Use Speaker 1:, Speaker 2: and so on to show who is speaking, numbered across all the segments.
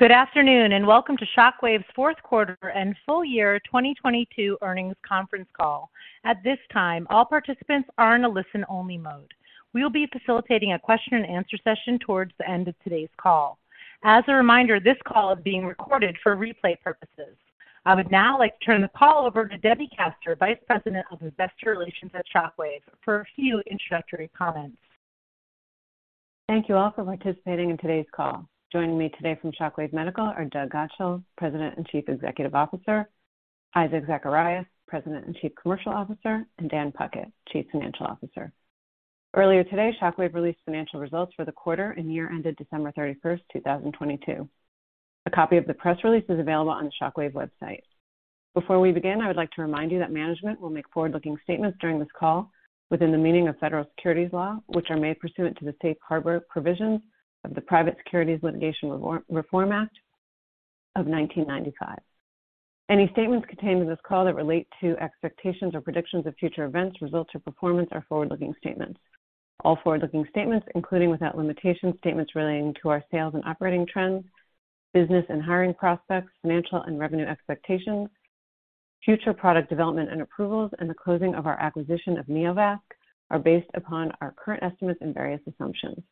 Speaker 1: Good afternoon, welcome to Shockwave's fourth quarter and full year 2022 earnings conference call. At this time, all participants are in a listen-only mode. We'll be facilitating a question and answer session towards the end of today's call. As a reminder, this call is being recorded for replay purposes. I would now like to turn the call over to Debbie Kaster, Vice President of Investor Relations at Shockwave, for a few introductory comments.
Speaker 2: Thank you all for participating in today's call. Joining me today from Shockwave Medical are Doug Godshall, President and Chief Executive Officer, Isaac Zacharias, President and Chief Commercial Officer, and Dan Puckett, Chief Financial Officer. Earlier today, Shockwave released financial results for the quarter and year ended December 31st, 2022. A copy of the press release is available on the Shockwave website. Before we begin, I would like to remind you that management will make forward-looking statements during this call within the meaning of Federal Securities law, which are made pursuant to the Safe Harbor provisions of the Private Securities Litigation Reform Act of 1995. Any statements contained in this call that relate to expectations or predictions of future events, results, or performance are forward-looking statements. All forward-looking statements, including without limitation, statements relating to our sales and operating trends, business and hiring prospects, financial and revenue expectations, future product development and approvals, and the closing of our acquisition of Neovasc, are based upon our current estimates and various assumptions.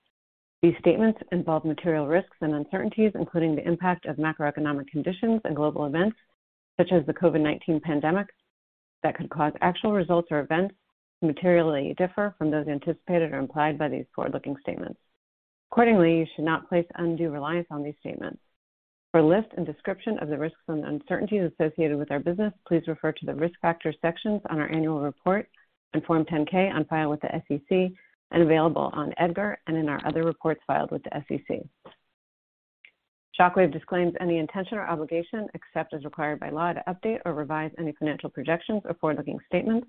Speaker 2: These statements involve material risks and uncertainties, including the impact of macroeconomic conditions and global events, such as the COVID-19 pandemic, that could cause actual results or events to materially differ from those anticipated or implied by these forward-looking statements. Accordingly, you should not place undue reliance on these statements. For a list and description of the risks and uncertainties associated with our business, please refer to the Risk Factors sections on our annual report and Form 10-K on file with the SEC and available on EDGAR and in our other reports filed with the SEC. Shockwave disclaims any intention or obligation, except as required by law, to update or revise any financial projections or forward-looking statements,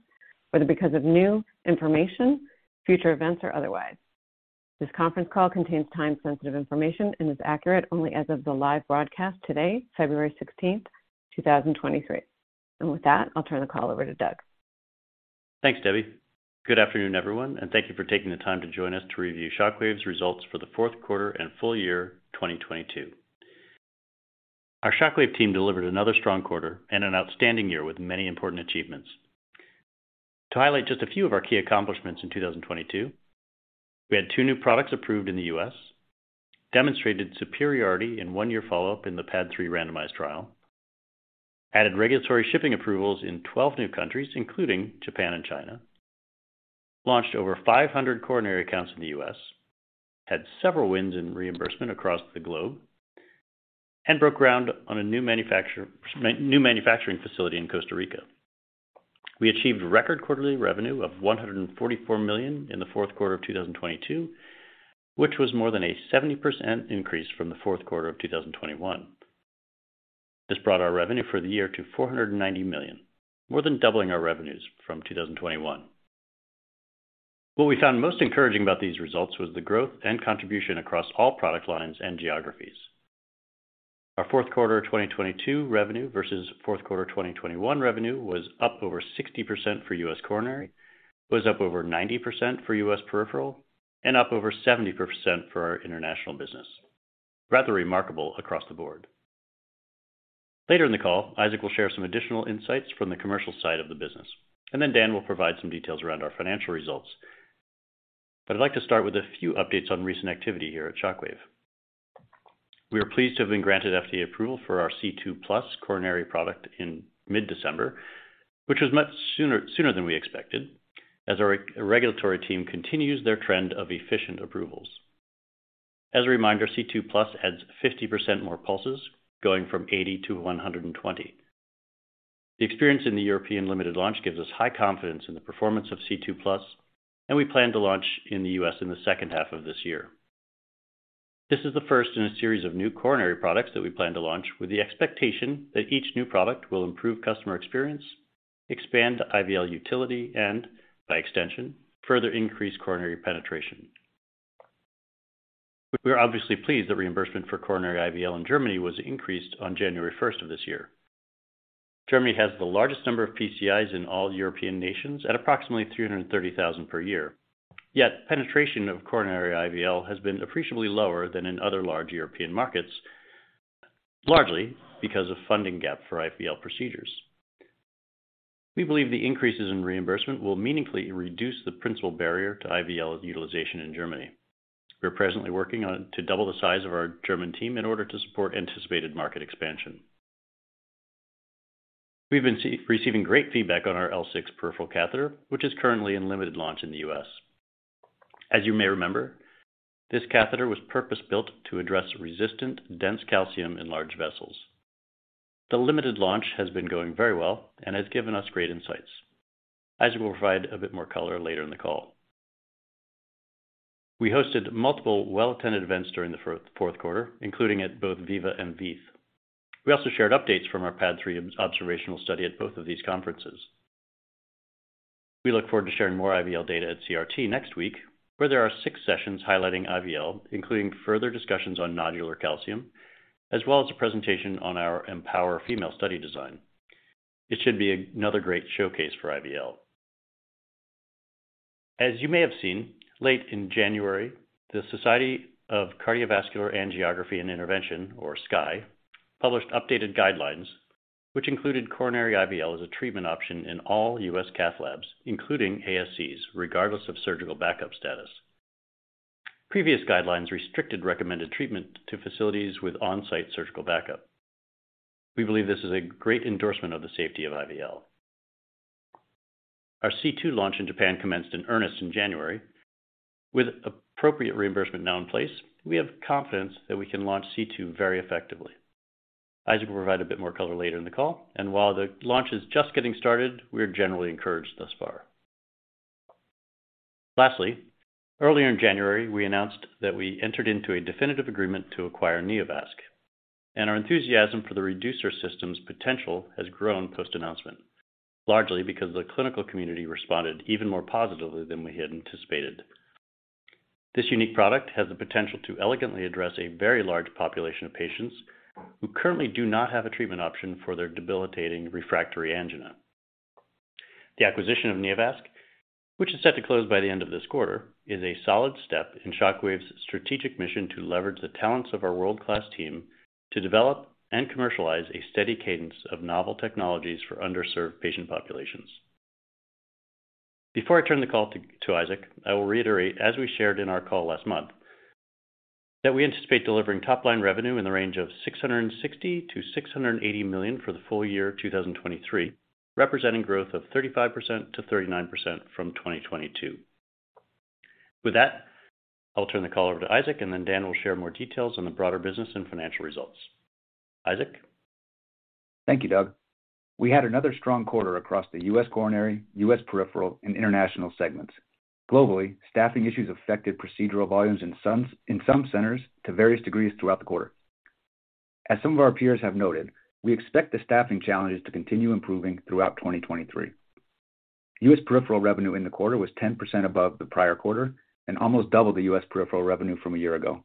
Speaker 2: whether because of new information, future events, or otherwise. This conference call contains time-sensitive information and is accurate only as of the live broadcast today, February 16th, 2023. With that, I'll turn the call over to Doug.
Speaker 3: Thanks, Debbie. Good afternoon, everyone. Thank you for taking the time to join us to review Shockwave's results for the fourth quarter and full year 2022. Our Shockwave team delivered another strong quarter and an outstanding year with many important achievements. To highlight just a few of our key accomplishments in 2022, we had two new products approved in the U.S., demonstrated superiority in one-year follow-up in the PAD III randomized trial, added regulatory shipping approvals in 12 new countries, including Japan and China, launched over 500 coronary accounts in the U.S., had several wins in reimbursement across the globe, and broke ground on a new manufacturing facility in Costa Rica. We achieved record quarterly revenue of $144 million in Q4 2022, which was more than a 70% increase from Q4 2021. This brought our revenue for the year to $490 million, more than doubling our revenues from 2021. What we found most encouraging about these results was the growth and contribution across all product lines and geographies. Our Q4 2022 revenue versus Q4 2021 revenue was up over 60% for U.S. coronary, was up over 90% for U.S. peripheral, and up over 70% for our international business. Rather remarkable across the board. Later in the call, Isaac will share some additional insights from the commercial side of the business, and then Dan will provide some details around our financial results. I'd like to start with a few updates on recent activity here at Shockwave. We are pleased to have been granted FDA approval for our C2+ coronary product in mid-December, which was much sooner than we expected, as our re-regulatory team continues their trend of efficient approvals. As a reminder, C2+ adds 50% more pulses, going from 80 to 120. The experience in the European limited launch gives us high confidence in the performance of C2+, and we plan to launch in the U.S. in the second half of this year. This is the first in a series of new coronary products that we plan to launch with the expectation that each new product will improve customer experience, expand IVL utility and, by extension, further increase coronary penetration. We are obviously pleased that reimbursement for coronary IVL in Germany was increased on January first of this year. Germany has the largest number of PCIs in all European nations at approximately 330,000 per year. Penetration of coronary IVL has been appreciably lower than in other large European markets, largely because of funding gap for IVL procedures. We believe the increases in reimbursement will meaningfully reduce the principal barrier to IVL utilization in Germany. We're presently working to double the size of our German team in order to support anticipated market expansion. We've been receiving great feedback on our L6 peripheral catheter, which is currently in limited launch in the U.S. As you may remember, this catheter was purpose-built to address resistant, dense calcium in large vessels. The limited launch has been going very well and has given us great insights. Isaac will provide a bit more color later in the call. We hosted multiple well-attended events during the fourth quarter, including at both VIVA and VEITH. We also shared updates from our PAD III observational study at both of these conferences. We look forward to sharing more IVL data at CRT next week, where there are six sessions highlighting IVL, including further discussions on nodular calcium, as well as a presentation on our EMPOWER female study design. It should be another great showcase for IVL. As you may have seen, late in January, the Society of Cardiovascular Angiography and Intervention, or SCAI, published updated guidelines which included coronary IVL as a treatment option in all U.S. cath labs, including ASCs, regardless of surgical backup status. Previous guidelines restricted recommended treatment to facilities with on-site surgical backup. We believe this is a great endorsement of the safety of IVL. Our C2 launch in Japan commenced in earnest in January. With appropriate reimbursement now in place, we have confidence that we can launch C2 very effectively. Isaac will provide a bit more color later in the call, and while the launch is just getting started, we are generally encouraged thus far. Lastly, earlier in January, we announced that we entered into a definitive agreement to acquire Neovasc, and our enthusiasm for the Reducer System's potential has grown post-announcement, largely because the clinical community responded even more positively than we had anticipated. This unique product has the potential to elegantly address a very large population of patients who currently do not have a treatment option for their debilitating refractory angina. The acquisition of Neovasc, which is set to close by the end of this quarter, is a solid step in Shockwave's strategic mission to leverage the talents of our world-class team to develop and commercialize a steady cadence of novel technologies for underserved patient populations. Before I turn the call to Isaac, I will reiterate, as we shared in our call last month, that we anticipate delivering top-line revenue in the range of $660 million-$680 million for the full year 2023, representing growth of 35%-39% from 2022. I'll turn the call over to Isaac, and then Dan will share more details on the broader business and financial results. Isaac?
Speaker 4: Thank you, Doug. We had another strong quarter across the U.S. coronary, U.S. peripheral, and international segments. Globally, staffing issues affected procedural volumes in some centers to various degrees throughout the quarter. As some of our peers have noted, we expect the staffing challenges to continue improving throughout 2023. U.S. peripheral revenue in the quarter was 10% above the prior quarter and almost double the U.S. peripheral revenue from a year ago.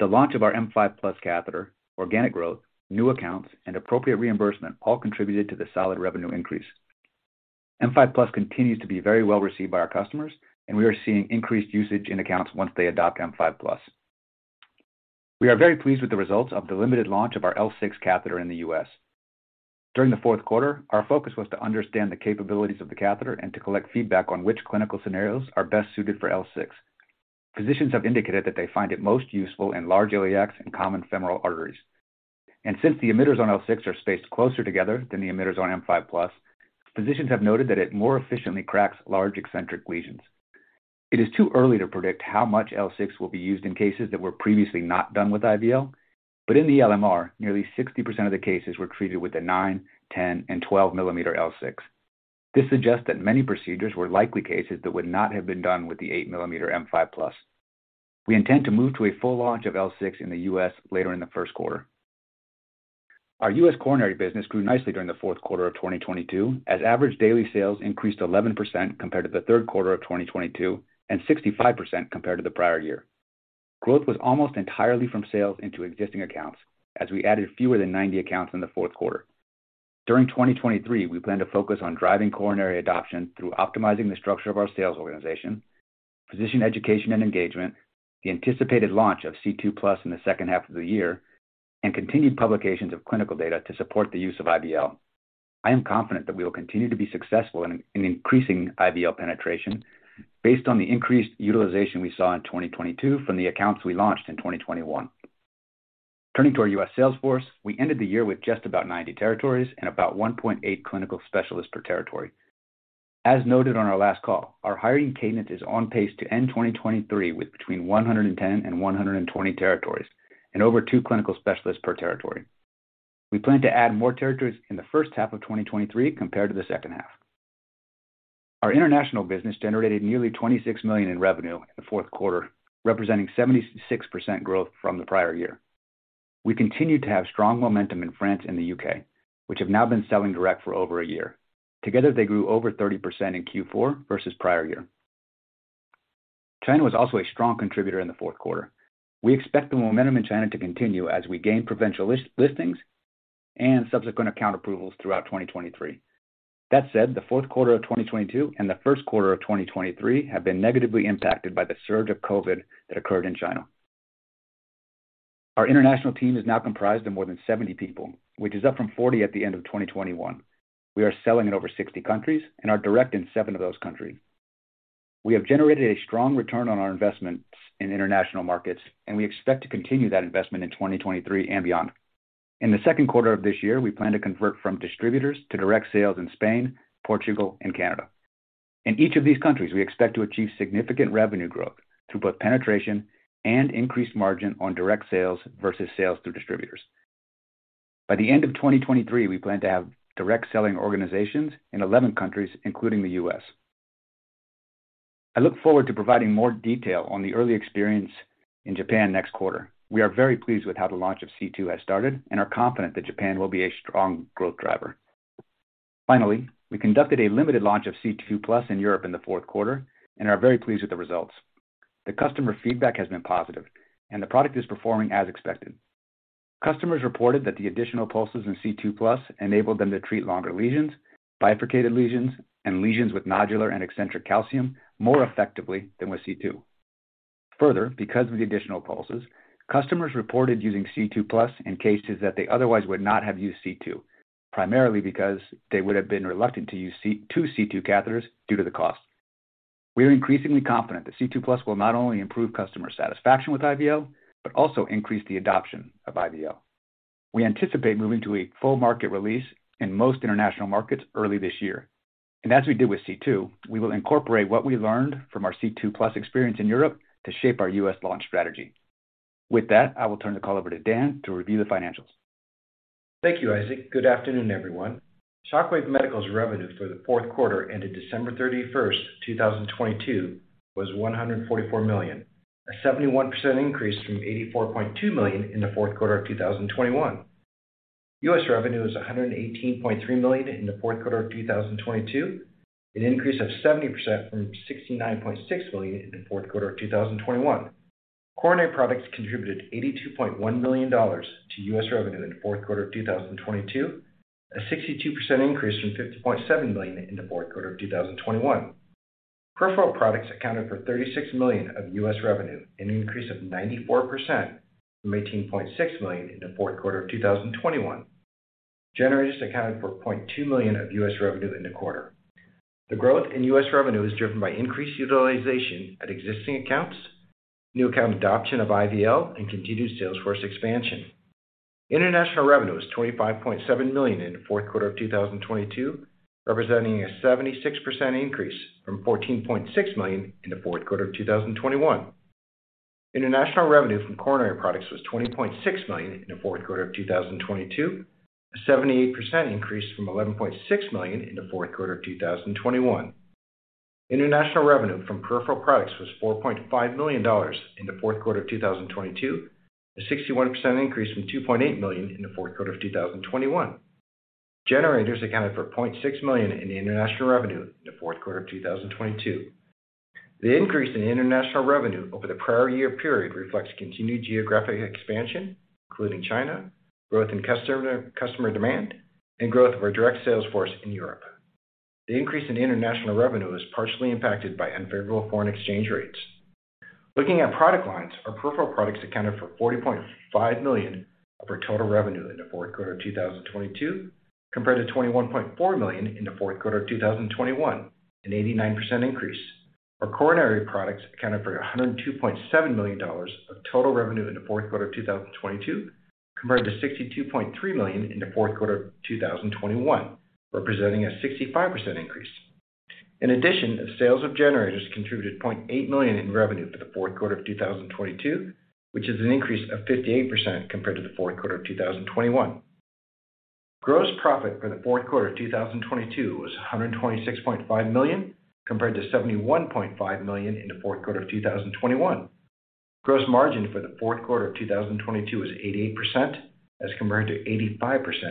Speaker 4: The launch of our M5+ catheter, organic growth, new accounts, and appropriate reimbursement all contributed to the solid revenue increase. M5+ continues to be very well-received by our customers, and we are seeing increased usage in accounts once they adopt M5+. We are very pleased with the results of the limited launch of our L6 catheter in the U.S., During the fourth quarter, our focus was to understand the capabilities of the catheter and to collect feedback on which clinical scenarios are best suited for L6. Physicians have indicated that they find it most useful in large ILX and common femoral arteries. Since the emitters on L6 are spaced closer together than the emitters on M5+, physicians have noted that it more efficiently cracks large eccentric lesions. It is too early to predict how much L6 will be used in cases that were previously not done with IVL, but in the LMR, nearly 60% of the cases were treated with the nine, 10, and 12 millimeter L6. This suggests that many procedures were likely cases that would not have been done with the eight millimeter M5+. We intend to move to a full launch of L6 in the U.S. later in the first quarter. Our U.S. coronary business grew nicely during the fourth quarter of 2022 as average daily sales increased 11% compared to the third quarter of 2022 and 65% compared to the prior year. Growth was almost entirely from sales into existing accounts, as we added fewer than 90 accounts in the fourth quarter. During 2023, we plan to focus on driving coronary adoption through optimizing the structure of our sales organization, physician education and engagement, the anticipated launch of C2+ in the second half of the year, and continued publications of clinical data to support the use of IVL. I am confident that we will continue to be successful in increasing IVL penetration based on the increased utilization we saw in 2022 from the accounts we launched in 2021. Turning to our U.S. sales force, we ended the year with just about 90 territories and about one point eight clinical specialists per territory. As noted on our last call, our hiring cadence is on pace to end 2023 with between 110 and 120 territories and over two clinical specialists per territory. We plan to add more territories in the first half of 2023 compared to the second half. Our international business generated nearly $26 million in revenue in the fourth quarter, representing 76% growth from the prior year. We continue to have strong momentum in France and the U.K., which have now been selling direct for over a year. Together, they grew over 30% in Q4 versus prior year. China was also a strong contributor in the fourth quarter. We expect the momentum in China to continue as we gain provincial listings and subsequent account approvals throughout 2023. That said, the fourth quarter of 2022 and the first quarter of 2023 have been negatively impacted by the surge of COVID that occurred in China. Our international team is now comprised of more than 70 people, which is up from 40 at the end of 2021. We are selling in over 60 countries and are direct in seven of those countries. We have generated a strong return on our investments in international markets, and we expect to continue that investment in 2023 and beyond. In the second quarter of this year, we plan to convert from distributors to direct sales in Spain, Portugal, and Canada. In each of these countries, we expect to achieve significant revenue growth through both penetration and increased margin on direct sales versus sales through distributors. By the end of 2023, we plan to have direct selling organizations in 11 countries, including the U.S., I look forward to providing more detail on the early experience in Japan next quarter. We are very pleased with how the launch of C2 has started and are confident that Japan will be a strong growth driver. Finally, we conducted a limited launch of C2+ in Europe in the fourth quarter and are very pleased with the results. The customer feedback has been positive, and the product is performing as expected. Customers reported that the additional pulses in C2+ enabled them to treat longer lesions, bifurcated lesions, and lesions with nodular and eccentric calcium more effectively than with C2. Because of the additional pulses, customers reported using C2+ in cases that they otherwise would not have used C2, primarily because they would have been reluctant to use two C2 catheters due to the cost. We are increasingly confident that C2+ will not only improve customer satisfaction with IVL, but also increase the adoption of IVL. We anticipate moving to a full market release in most international markets early this year. As we did with C2, we will incorporate what we learned from our C2+ experience in Europe to shape our U.S. launch strategy. With that, I will turn the call over to Dan to review the financials.
Speaker 5: Thank you, Isaac. Good afternoon, everyone. Shockwave Medical's revenue for the fourth quarter ended December 31st, 2022, was $144 million, a 71% increase from $84.2 million in the fourth quarter of 2021. U.S. revenue is $118.3 million in the fourth quarter of 2022, an increase of 70% from $69.6 million in the fourth quarter of 2021. Coronary products contributed $82.1 million to U.S. revenue in the fourth quarter of 2022, a 62% increase from $50.7 million in the fourth quarter of 2021. Peripheral products accounted for $36 million of U.S. revenue, an increase of 94% from $18.6 million in the fourth quarter of 2021. Generators accounted for $0.2 million of U.S. revenue in the quarter. The growth in U.S. revenue is driven by increased utilization at existing accounts, new account adoption of IVL, and continued sales force expansion. International revenue is $25.7 million in the fourth quarter of 2022, representing a 76% increase from $14.6 million in the fourth quarter of 2021. International revenue from coronary products was $20.6 million in the fourth quarter of 2022, a 78% increase from $11.6 million in the fourth quarter of 2021. International revenue from peripheral products was $4.5 million dollars in the fourth quarter of 2022, a 61% increase from $2.8 million in the fourth quarter of 2021. Generators accounted for $0.6 million in international revenue in the fourth quarter of 2022. The increase in international revenue over the prior year period reflects continued geographic expansion, including China, growth in customer demand, and growth of our direct sales force in Europe. The increase in international revenue is partially impacted by unfavorable foreign exchange rates. Looking at product lines, our peripheral products accounted for $40.5 million of our total revenue in the fourth quarter of 2022, compared to $21.4 million in the fourth quarter of 2021, an 89% increase. Our coronary products accounted for $102.7 million of total revenue in the fourth quarter of 2022, compared to $62.3 million in the fourth quarter of 2021, representing a 65% increase. Sales of generators contributed $0.8 million in revenue for the fourth quarter of 2022, which is an increase of 58% compared to the fourth quarter of 2021. Gross profit for the fourth quarter of 2022 was $126.5 million, compared to $71.5 million in the fourth quarter of 2021. Gross margin for the fourth quarter of 2022 was 88% as compared to 85% in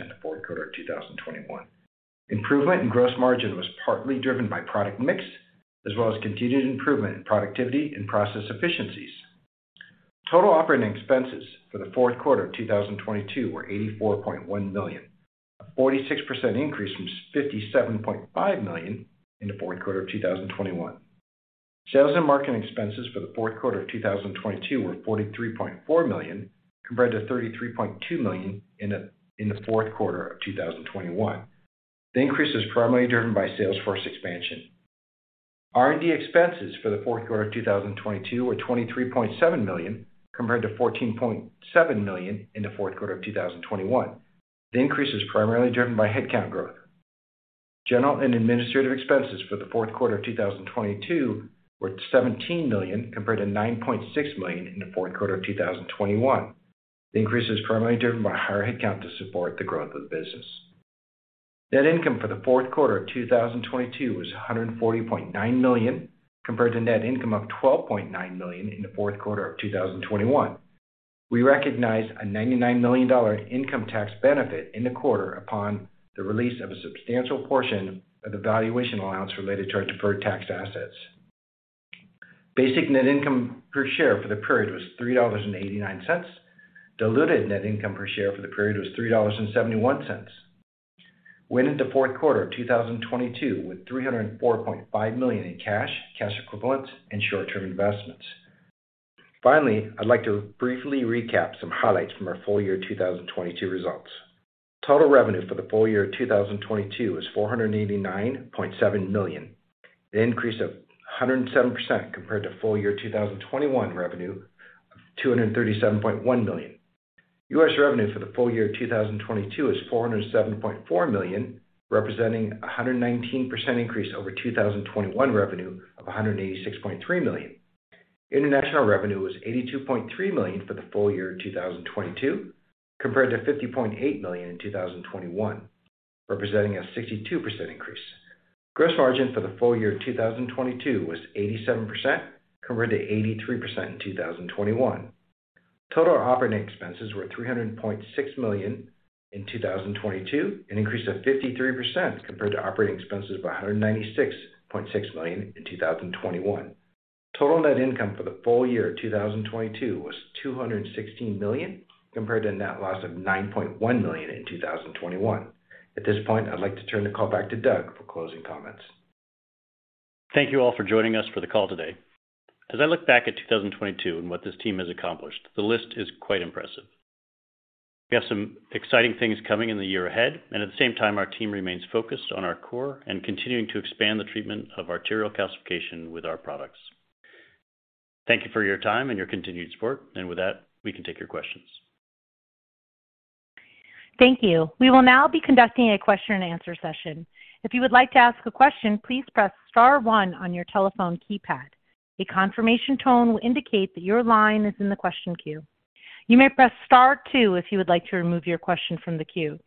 Speaker 5: the fourth quarter of 2021. Improvement in gross margin was partly driven by product mix as well as continued improvement in productivity and process efficiencies. Total operating expenses for the fourth quarter of 2022 were $84.1 million, a 46% increase from $57.5 million in the fourth quarter of 2021. Sales and marketing expenses for the fourth quarter of 2022 were $43.4 million, compared to $33.2 million in the fourth quarter of 2021. The increase is primarily driven by sales force expansion. R&D expenses for the fourth quarter of 2022 were $23.7 million, compared to $14.7 million in the fourth quarter of 2021. The increase is primarily driven by headcount growth. General and administrative expenses for the fourth quarter of 2022 were $17 million, compared to $9.6 million in the fourth quarter of 2021. The increase is primarily driven by higher headcount to support the growth of the business. Net income for the fourth quarter of 2022 was $140.9 million, compared to net income of $12.9 million in the fourth quarter of 2021. We recognized a $99 million income tax benefit in the quarter upon the release of a substantial portion of the valuation allowance related to our deferred tax assets. Basic net income per share for the period was $3.89. Diluted net income per share for the period was $3.71. We're in the fourth quarter of 2022 with $304.5 million in cash equivalents, and short-term investments. I'd like to briefly recap some highlights from our full year 2022 results. Total revenue for the full year 2022 was $489.7 million, an increase of 107% compared to full year 2021 revenue of $237.1 million. U.S. revenue for the full year 2022 is $407.4 million, representing a 119% increase over 2021 revenue of $186.3 million. International revenue was $82.3 million for the full year 2022, compared to $50.8 million in 2021, representing a 62% increase. Gross margin for the full year 2022 was 87%, compared to 83% in 2021. Total operating expenses were $300.6 million in 2022, an increase of 53% compared to operating expenses of $196.6 million in 2021. Total net income for the full year 2022 was $216 million, compared to a net loss of $9.1 million in 2021. At this point, I'd like to turn the call back to Doug for closing comments.
Speaker 3: Thank you all for joining us for the call today. As I look back at 2022 and what this team has accomplished, the list is quite impressive. We have some exciting things coming in the year ahead, and at the same time, our team remains focused on our core and continuing to expand the treatment of arterial calcification with our products. Thank you for your time and your continued support. With that, we can take your questions.
Speaker 1: Thank you. We will now be conducting a question and answer session. If you would like to ask a question, please press star one on your telephone keypad. A confirmation tone will indicate that your line is in the question queue. You may press star two if you would like to remove your question from the queue.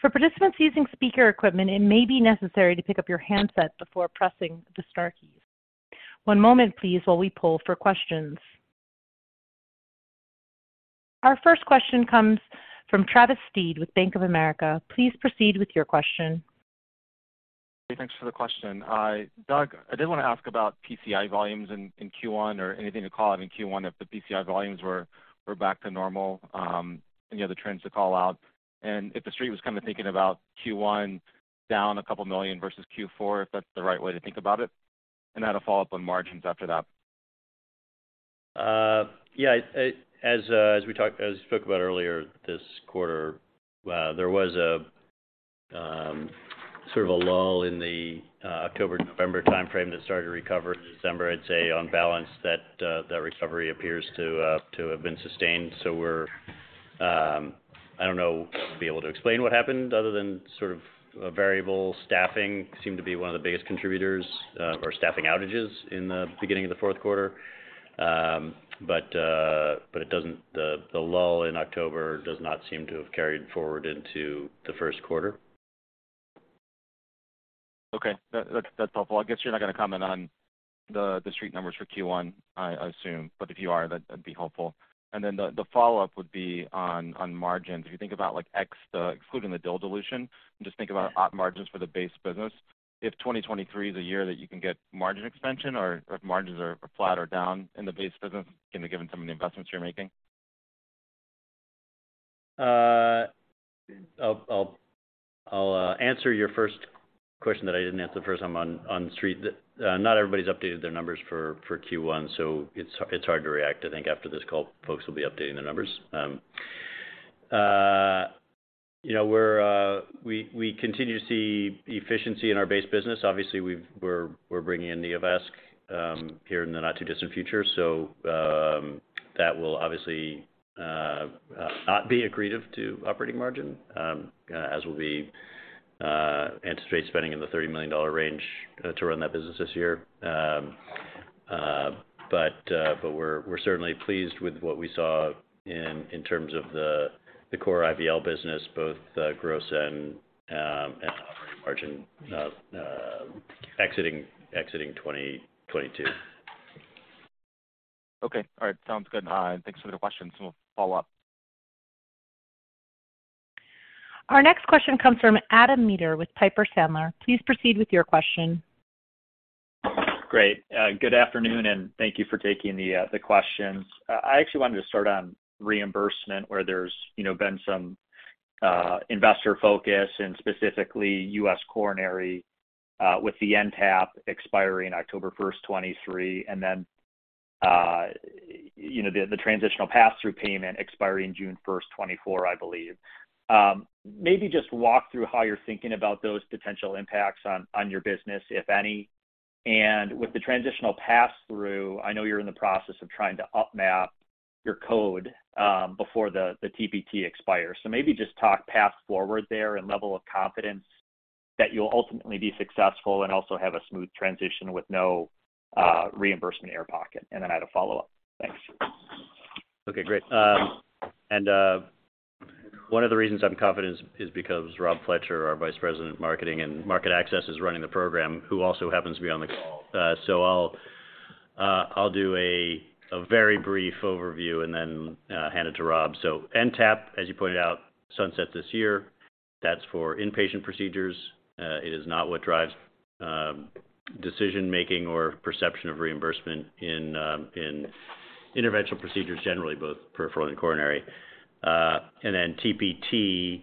Speaker 1: For participants using speaker equipment, it may be necessary to pick up your handset before pressing the star keys. One moment please while we poll for questions. Our first question comes from Travis Steed with Bank of America. Please proceed with your question.
Speaker 6: Hey, thanks for the question. Doug, I did want to ask about PCI volumes in Q1 or anything to call out in Q1 if the PCI volumes were back to normal, any other trends to call out, and if the street was kind of thinking about Q1 down $2 million versus Q4, if that's the right way to think about it, and I had a follow-up on margins after that.
Speaker 3: Yeah, as we spoke about earlier this quarter, there was a sort of a lull in the October, November timeframe that started to recover in December. I'd say on balance that that recovery appears to have been sustained. We're, I don't know, be able to explain what happened other than sort of a variable staffing seemed to be one of the biggest contributors, or staffing outages in the beginning of the fourth quarter. The lull in October does not seem to have carried forward into the first quarter.
Speaker 6: Okay. That's helpful. I guess you're not going to comment on the street numbers for Q1, I assume, but if you are, that'd be helpful. The follow-up would be on margins. If you think about like excluding the DIL dilution and just think about op margins for the base business, if 2023 is a year that you can get margin expansion or if margins are flat or down in the base business, given some of the investments you're making.
Speaker 3: I'll answer your first question that I didn't answer the first time on the street. Not everybody's updated their numbers for Q1, so it's hard to react. I think after this call, folks will be updating their numbers. You know, we continue to see efficiency in our base business. Obviously, we're bringing in Neovasc here in the not too distant future. That will obviously not be accretive to operating margin as we'll be anticipate spending in the $30 million range to run that business this year. We're certainly pleased with what we saw in terms of the core IVL business, both the gross and operating margin exiting 2022.
Speaker 6: Okay. All right. Sounds good. Thanks for the questions. We'll follow up.
Speaker 1: Our next question comes from Adam Maeder with Piper Sandler. Please proceed with your question.
Speaker 7: Great. Good afternoon, thank you for taking the questions. I actually wanted to start on reimbursement, where there's, you know, been some investor focus and specifically U.S. coronary, with the NTAP expiring October 1st, 2023, and then, you know, the transitional pass-through payment expiring June 1st, 2024, I believe. Maybe just walk through how you're thinking about those potential impacts on your business, if any. With the transitional pass-through, I know you're in the process of trying to up-map your code before the TPT expires. Maybe just talk path forward there and level of confidence that you'll ultimately be successful and also have a smooth transition with no reimbursement air pocket. Then I had a follow-up. Thanks.
Speaker 3: Okay, great. One of the reasons I'm confident is because Robert Fletcher, our Vice President of Marketing and Market Access, is running the program, who also happens to be on the call. I'll do a very brief overview and then hand it to Rob. NTAP, as you pointed out, sunset this year. That's for inpatient procedures. It is not what drives decision-making or perception of reimbursement in interventional procedures generally, both peripheral and coronary. TPT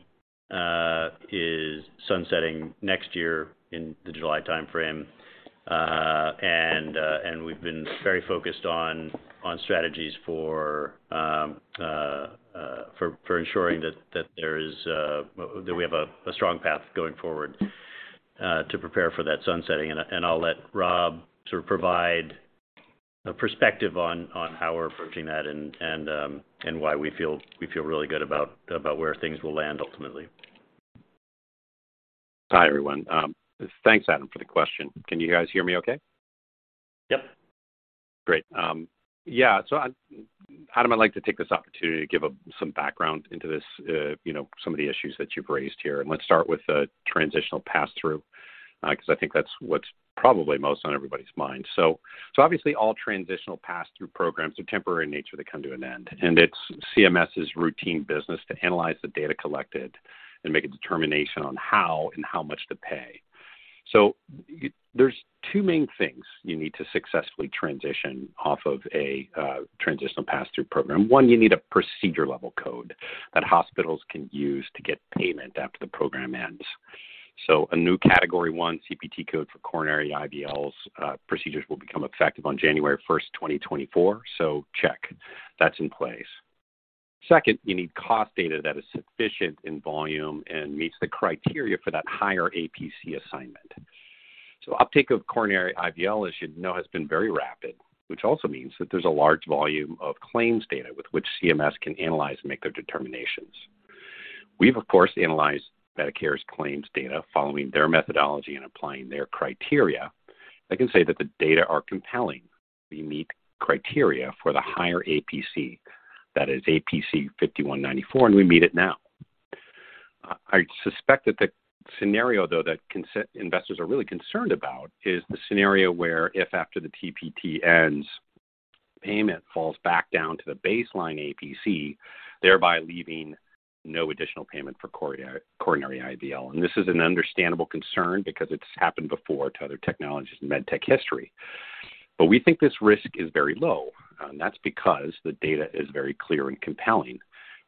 Speaker 3: is sunsetting next year in the July timeframe. We've been very focused on strategies for ensuring that there is that we have a strong path going forward to prepare for that sunsetting. I'll let Rob sort of provide a perspective on how we're approaching that and why we feel really good about where things will land ultimately.
Speaker 8: Hi, everyone. Thanks, Adam, for the question. Can you guys hear me okay?
Speaker 3: Yep.
Speaker 8: Great. Yeah. Adam, I'd like to take this opportunity to give up some background into this, you know, some of the issues that you've raised here. Let's start with the transitional pass-through, because I think that's what's probably most on everybody's mind. Obviously, all transitional pass-through programs are temporary in nature. They come to an end, and it's CMS's routine business to analyze the data collected and make a determination on how and how much to pay. There's two main things you need to successfully transition off of a transitional pass-through program. One, you need a procedure level code that hospitals can use to get payment after the program ends. A new category one CPT code for coronary IVLs procedures will become effective on January 1st, 2024. Check. That's in place. Second, you need cost data that is sufficient in volume and meets the criteria for that higher APC assignment. Uptake of coronary IVL, as you know, has been very rapid, which also means that there's a large volume of claims data with which CMS can analyze and make their determinations. We've, of course, analyzed Medicare's claims data following their methodology and applying their criteria. I can say that the data are compelling. We meet criteria for the higher APC. That is APC 5194, and we meet it now. I suspect that the scenario, though, that investors are really concerned about is the scenario where if after the TPT ends, payment falls back down to the baseline APC, thereby leaving no additional payment for coronary IVL. This is an understandable concern because it's happened before to other technologies in med tech history. We think this risk is very low, and that's because the data is very clear and compelling.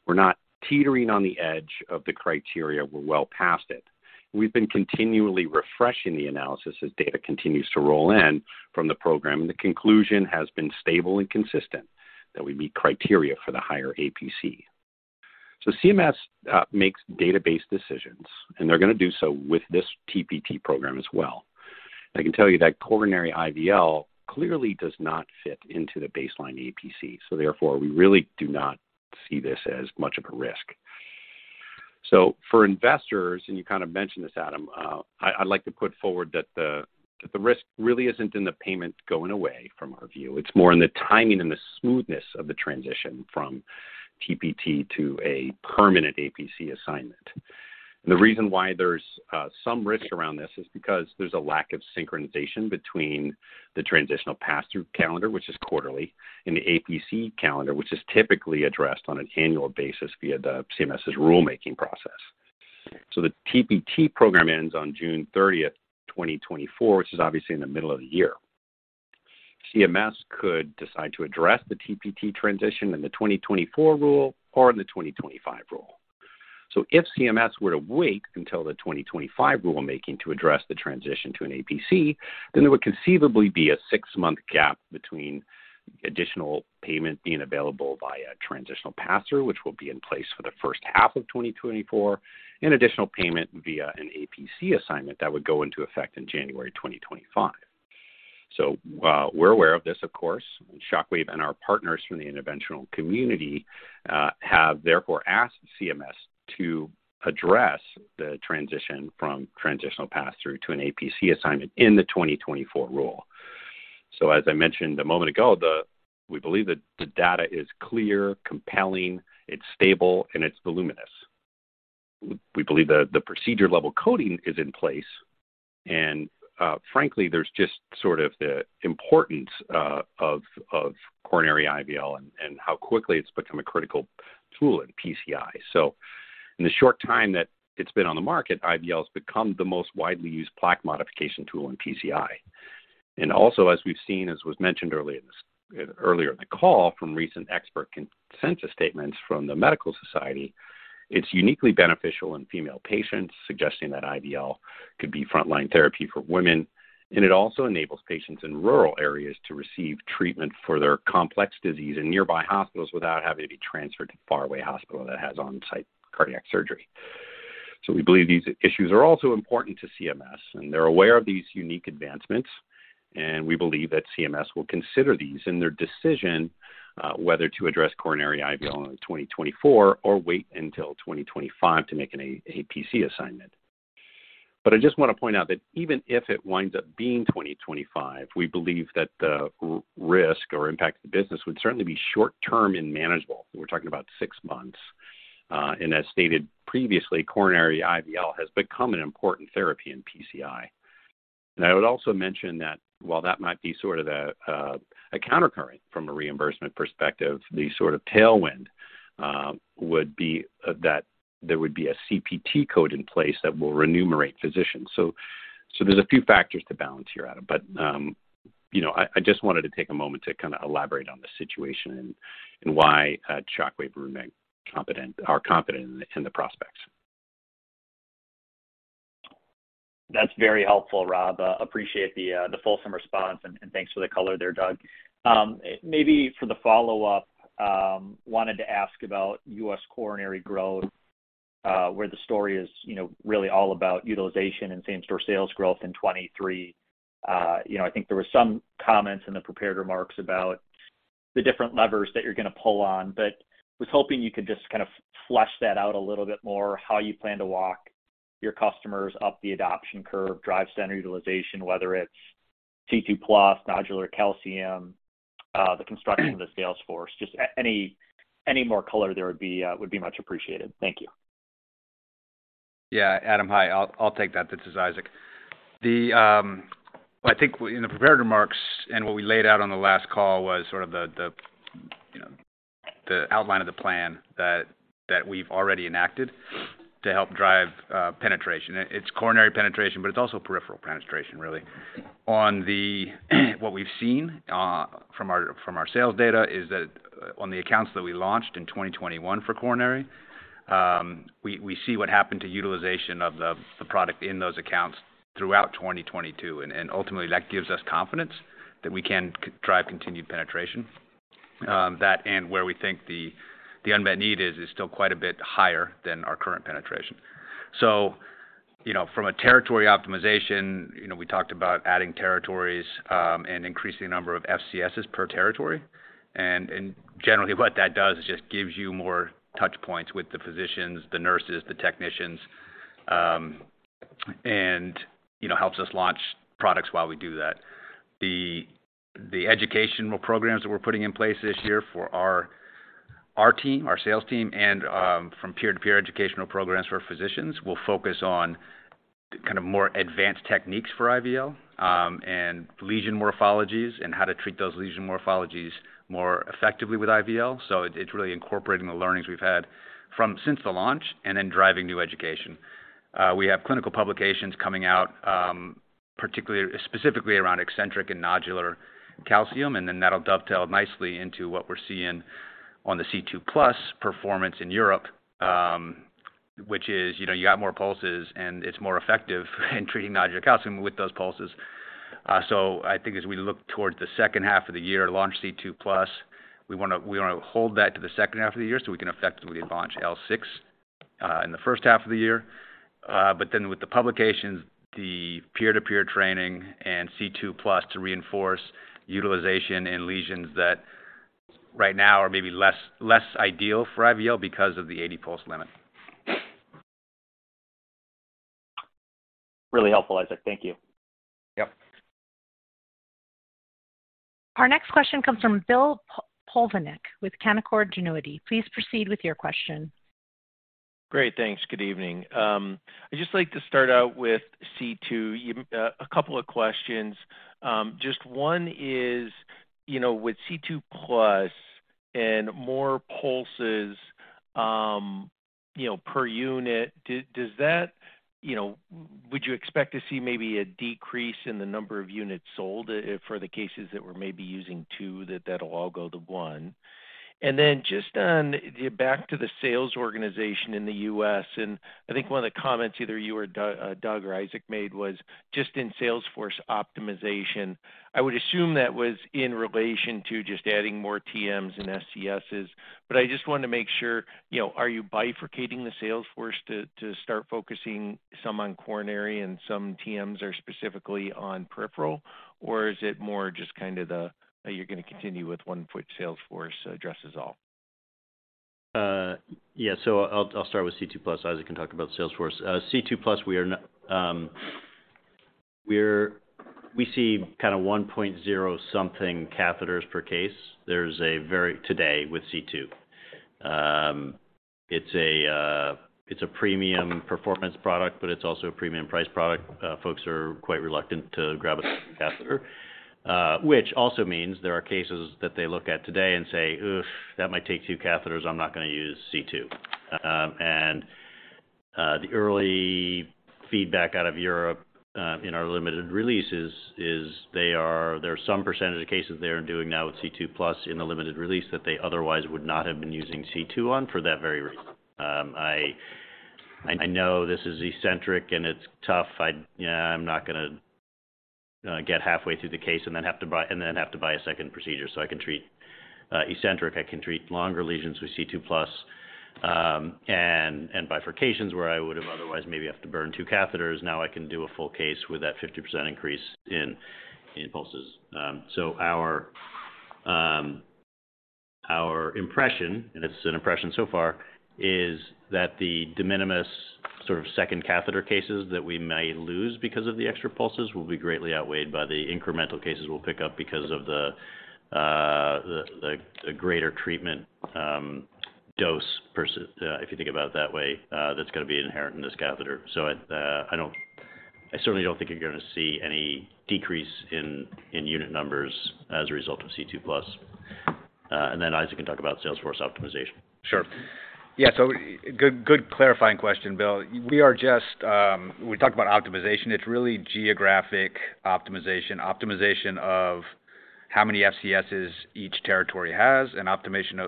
Speaker 8: We're not teetering on the edge of the criteria. We're well past it. We've been continually refreshing the analysis as data continues to roll in from the program. The conclusion has been stable and consistent that we meet criteria for the higher APC. CMS makes database decisions, and they're gonna do so with this TPT program as well. I can tell you that coronary IVL clearly does not fit into the baseline APC. Therefore, we really do not see this as much of a risk. For investors, and you kind of mentioned this, Adam, I'd like to put forward that the risk really isn't in the payment going away from our view. It's more in the timing and the smoothness of the transition from TPT to a permanent APC assignment. The reason why there's some risk around this is because there's a lack of synchronization between the transitional pass-through calendar, which is quarterly, and the APC calendar, which is typically addressed on an annual basis via the CMS's rulemaking process. The TPT program ends on June 30th, 2024, which is obviously in the middle of the year. CMS could decide to address the TPT transition in the 2024 rule or in the 2025 rule. If CMS were to wait until the 2025 rulemaking to address the transition to an APC, then there would conceivably be a six-month gap between additional payment being available via transitional pass-through, which will be in place for the first half of 2024, and additional payment via an APC assignment that would go into effect in January 2025. We're aware of this, of course. Shockwave and our partners from the interventional community have therefore asked CMS to address the transition from transitional pass-through to an APC assignment in the 2024 rule. As I mentioned a moment ago, we believe that the data is clear, compelling, it's stable, and it's voluminous. We believe that the procedure-level coding is in place. Frankly, there's just sort of the importance of coronary IVL and how quickly it's become a critical tool in PCI. In the short time that it's been on the market, IVL has become the most widely used plaque modification tool in PCI. Also, as we've seen, as was mentioned earlier in the call from recent expert consensus statements from the medical society, it's uniquely beneficial in female patients, suggesting that IVL could be frontline therapy for women. It also enables patients in rural areas to receive treatment for their complex disease in nearby hospitals without having to be transferred to a faraway hospital that has on-site cardiac surgery. We believe these issues are also important to CMS, and they're aware of these unique advancements. We believe that CMS will consider these in their decision whether to address coronary IVL in 2024 or wait until 2025 to make an APC assignment. I just want to point out that even if it winds up being 2025, we believe that the risk or impact to the business would certainly be short term and manageable. We're talking about six months. As stated previously, coronary IVL has become an important therapy in PCI. I would also mention that while that might be sort of the a countercurrent from a reimbursement perspective, the sort of tailwind would be that there would be a CPT code in place that will remunerate physicians. There's a few factors to balance here, Adam. You know, I just wanted to take a moment to kinda elaborate on the situation and why Shockwave are confident in the prospects.
Speaker 7: That's very helpful, Rob. appreciate the fulsome response, and thanks for the color there, Doug. maybe for the follow-up, wanted to ask about U.S. coronary growth, where the story is, you know, really all about utilization and same-store sales growth in 23. you know, I think there were some comments in the prepared remarks about the different levers that you're gonna pull on. I was hoping you could just kind of flesh that out a little bit more, how you plan to walk your customers up the adoption curve, drive standard utilization, whether it's C2+, nodular calcium, the construction of the sales force. Just any more color there would be much appreciated. Thank you.
Speaker 4: Yeah, Adam. Hi. I'll take that. This is Isaac. I think in the prepared remarks and what we laid out on the last call was sort of the, you know... The outline of the plan that we've already enacted to help drive penetration. It's coronary penetration, but it's also peripheral penetration really. What we've seen from our sales data is that on the accounts that we launched in 2021 for coronary, we see what happened to utilization of the product in those accounts throughout 2022. Ultimately, that gives us confidence that we can drive continued penetration. That and where we think the unmet need is still quite a bit higher than our current penetration. You know, from a territory optimization, you know, we talked about adding territories and increasing the number of FCSs per territory. Generally what that does is just gives you more touch points with the physicians, the nurses, the technicians, and, you know, helps us launch products while we do that. The educational programs that we're putting in place this year for our team, our sales team, and from peer-to-peer educational programs for physicians will focus on kind of more advanced techniques for IVL, and lesion morphologies and how to treat those lesion morphologies more effectively with IVL. It's really incorporating the learnings we've had from since the launch and then driving new education. We have clinical publications coming out, particularly... Specifically around eccentric and nodular calcium. That'll dovetail nicely into what we're seeing on the C2+ performance in Europe, which is, you know, you got more pulses and it's more effective in treating nodular calcium with those pulses. I think as we look towards the second half of the year to launch C2+, we wanna hold that to the second half of the year so we can effectively launch L6 in the first half of the year. With the publications, the peer-to-peer training and C2+ to reinforce utilization in lesions that right now are maybe less ideal for IVL because of the 80 pulse limit.
Speaker 7: Really helpful, Isaac. Thank you.
Speaker 4: Yep.
Speaker 1: Our next question comes from Bill Plovanic with Canaccord Genuity. Please proceed with your question.
Speaker 9: Great. Thanks. Good evening. I'd just like to start out with C2. A couple of questions. Just one is, you know, with C2+ and more pulses, you know, per unit, does that, you know... Would you expect to see maybe a decrease in the number of units sold for the cases that we're maybe using two that that'll all go to one? Just on the back to the sales organization in the U.S., and I think one of the comments either you or Doug or Isaac made was just in sales force optimization. I would assume that was in relation to just adding more TMs and SCSs? I just wanted to make sure, you know, are you bifurcating the sales force to start focusing some on coronary and some TMs are specifically on peripheral, or is it more just kind of the, you're gonna continue with one foot sales force addresses all?
Speaker 3: Yeah. I'll start with C2+. Isaac can talk about Salesforce. C2+ we are not, we see kinda one point zero something catheters per case. Today with C2. It's a, it's a premium performance product, but it's also a premium price product. Folks are quite reluctant to grab a catheter, which also means there are cases that they look at today and say, "Ugh, that might take catheters. I'm not gonna use C2." The early feedback out of Europe, in our limited release is there are some percentage of cases they're doing now with C2+ in the limited release that they otherwise would not have been using C2 on for that very reason. I know this is eccentric and it's tough. I, yeah, I'm not gonna get halfway through the case and then have to buy a second procedure so I can treat eccentric. I can treat longer lesions with C2+, and bifurcations where I would have otherwise maybe have to burn two catheters. Now I can do a full case with that 50% increase in pulses. Our impression, and it's an impression so far, is that the de minimis sort of second catheter cases that we may lose because of the extra pulses will be greatly outweighed by the incremental cases we'll pick up because of the greater treatment dose per se, if you think about it that way, that's gonna be inherent in this catheter. At, I certainly don't think you're gonna see any decrease in unit numbers as a result of C2+. Isaac can talk about sales force optimization.
Speaker 4: Sure. Yeah. Good clarifying question, Bill. We are just, we talked about optimization. It's really geographic optimization of how many FCSs each territory has and optimization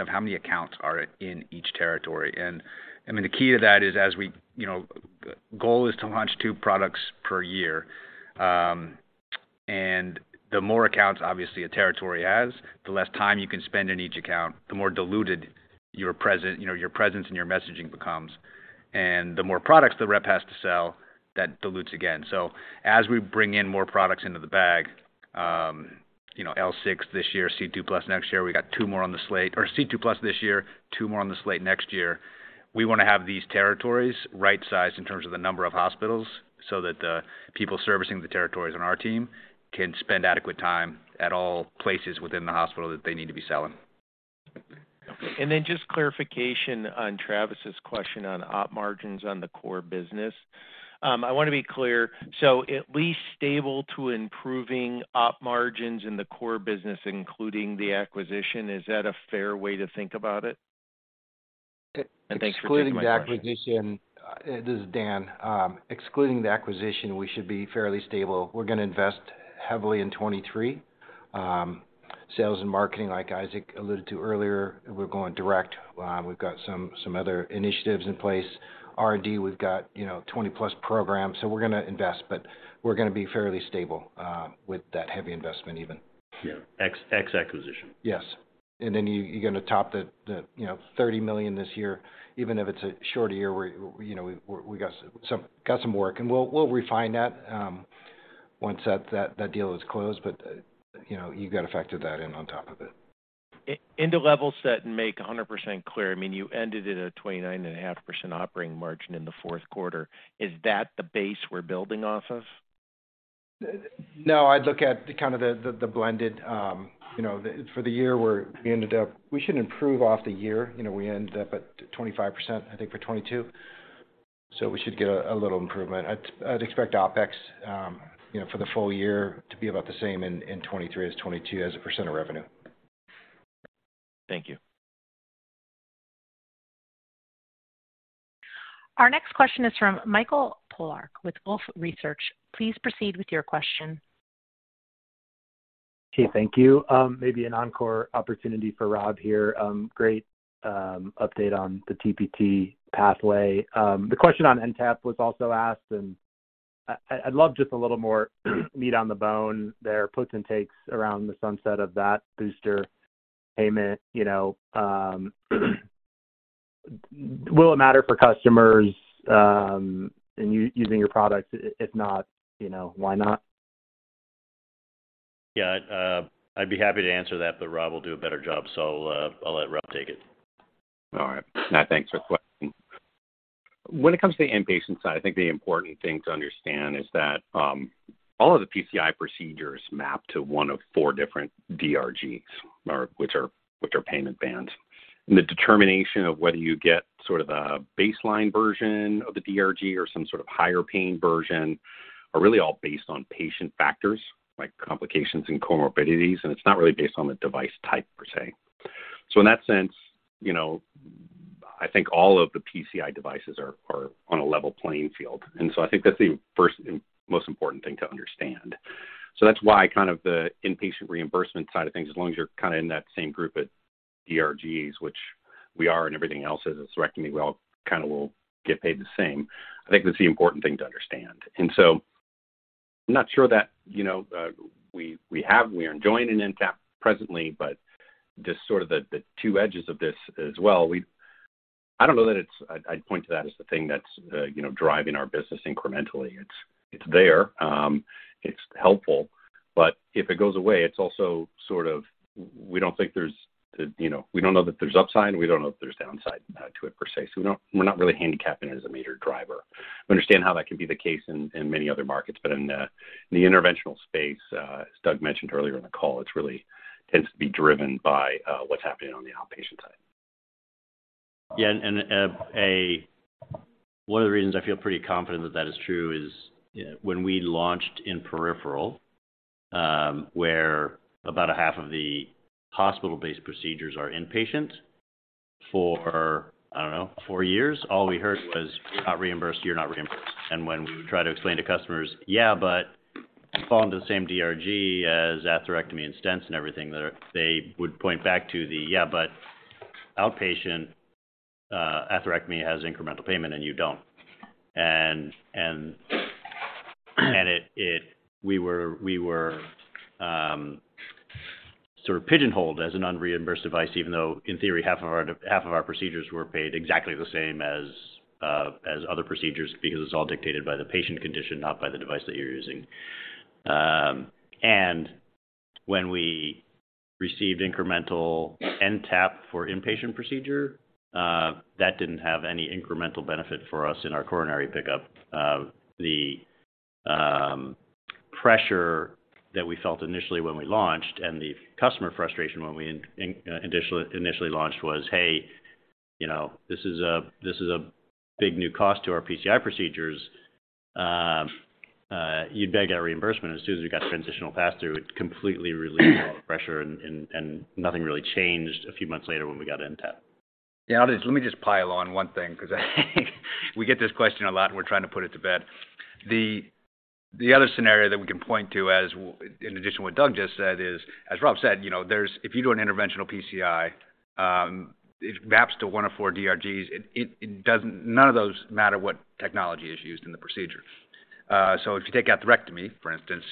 Speaker 4: of how many accounts are in each territory. I mean, the key to that is as we, you know. Goal is to launch two products per year. The more accounts obviously a territory has, the less time you can spend in each account, the more diluted your presence, you know, and your messaging becomes. The more products the rep has to sell, that dilutes again. As we bring in more products into the bag, you know, L6 this year, C2+ this year, two more on the slate next year. We wanna have these territories right-sized in terms of the number of hospitals so that the people servicing the territories on our team can spend adequate time at all places within the hospital that they need to be selling.
Speaker 9: Just clarification on Travis's question on op margins on the core business. I wanna be clear. At least stable to improving op margins in the core business, including the acquisition, is that a fair way to think about it?
Speaker 5: Excluding the acquisition, this is Dan. Excluding the acquisition, we should be fairly stable. We're gonna invest heavily in 23, sales and marketing, like Isaac alluded to earlier. We're going direct. We've got some other initiatives in place. R&D, we've got, you know, 20-plus programs, so we're gonna invest, but we're gonna be fairly stable with that heavy investment even.
Speaker 3: Yeah. Ex acquisition.
Speaker 5: Yes. Then you're gonna top the, you know, $30 million this year, even if it's a shorter year where, you know, we got some, got some work. We'll refine that once that deal is closed. You know, you've got to factor that in on top of it.
Speaker 9: To level set and make 100% clear, I mean, you ended at a 29 and a half % operating margin in the fourth quarter. Is that the base we're building off of?
Speaker 5: No, I'd look at kind of the blended, you know, for the year, we ended up. We should improve off the year. You know, we ended up at 25%, I think, for 2022, so we should get a little improvement. I'd expect OpEx, you know, for the full year to be about the same in 2023 as 2022 as a % of revenue.
Speaker 9: Thank you.
Speaker 1: Our next question is from Mike Polark with Wolfe Research. Please proceed with your question.
Speaker 10: Okay. Thank you. Maybe an encore opportunity for Rob here. Great update on the TPT pathway. The question on NTAP was also asked, and I'd love just a little more meat on the bone there, puts and takes around the sunset of that booster payment. You know, will it matter for customers in using your products? If not, you know, why not?
Speaker 3: I'd be happy to answer that, but Rob will do a better job. I'll let Rob take it.
Speaker 8: All right. No, thanks for the question. When it comes to the inpatient side, I think the important thing to understand is that all of the PCI procedures map to one of four different DRGs, or which are payment bands. The determination of whether you get sort of a baseline version of the DRG or some sort of higher paying version are really all based on patient factors like complications and comorbidities, and it's not really based on the device type per se. In that sense, you know, I think all of the PCI devices are on a level playing field. I think that's the first and most important thing to understand. That's why kind of the inpatient reimbursement side of things, as long as you're kinda in that same group of DRGs, which we are, and everything else is atherectomy, we all kinda will get paid the same. I think that's the important thing to understand. I'm not sure that, you know, we are enjoying in NTAP presently, but just sort of the two edges of this as well. I don't know that it's. I'd point to that as the thing that's, you know, driving our business incrementally. It's there, it's helpful, but if it goes away, it's also sort of we don't think there's, you know, we don't know that there's upside, and we don't know if there's downside to it per se. We're not, we're not really handicapping it as a major driver. We understand how that can be the case in many other markets, but in the interventional space, as Doug mentioned earlier in the call, it really tends to be driven by what's happening on the outpatient side.
Speaker 3: One of the reasons I feel pretty confident that that is true is when we launched in peripheral, where about a half of the hospital-based procedures are inpatient for, I don't know, four years, all we heard was, "If you're not reimbursed, you're not reimbursed." When we try to explain to customers, "Yeah, but you fall into the same DRG as atherectomy and stents and everything there," they would point back to the, "Yeah, but outpatient atherectomy has incremental payment and you don't." We were sort of pigeonholed as an unreimbursed device, even though in theory, half of our procedures were paid exactly the same as other procedures because it's all dictated by the patient condition, not by the device that you're using. When we received incremental NTAP for inpatient procedure, that didn't have any incremental benefit for us in our coronary pickup. The pressure that we felt initially when we launched and the customer frustration when we initially launched was, "Hey, you know, this is a big new cost to our PCI procedures. You'd better get a reimbursement." As soon as we got transitional pass-through, it completely relieved a lot of pressure and nothing really changed a few months later when we got NTAP.
Speaker 5: Yeah. Let me just pile on one thing 'cause I think we get this question a lot, and we're trying to put it to bed. The other scenario that we can point to as in addition to what Doug just said is, as Rob said, you know, there's if you do an interventional PCI, it maps to one of four DRGs. It doesn't none of those matter what technology is used in the procedure. If you take atherectomy, for instance,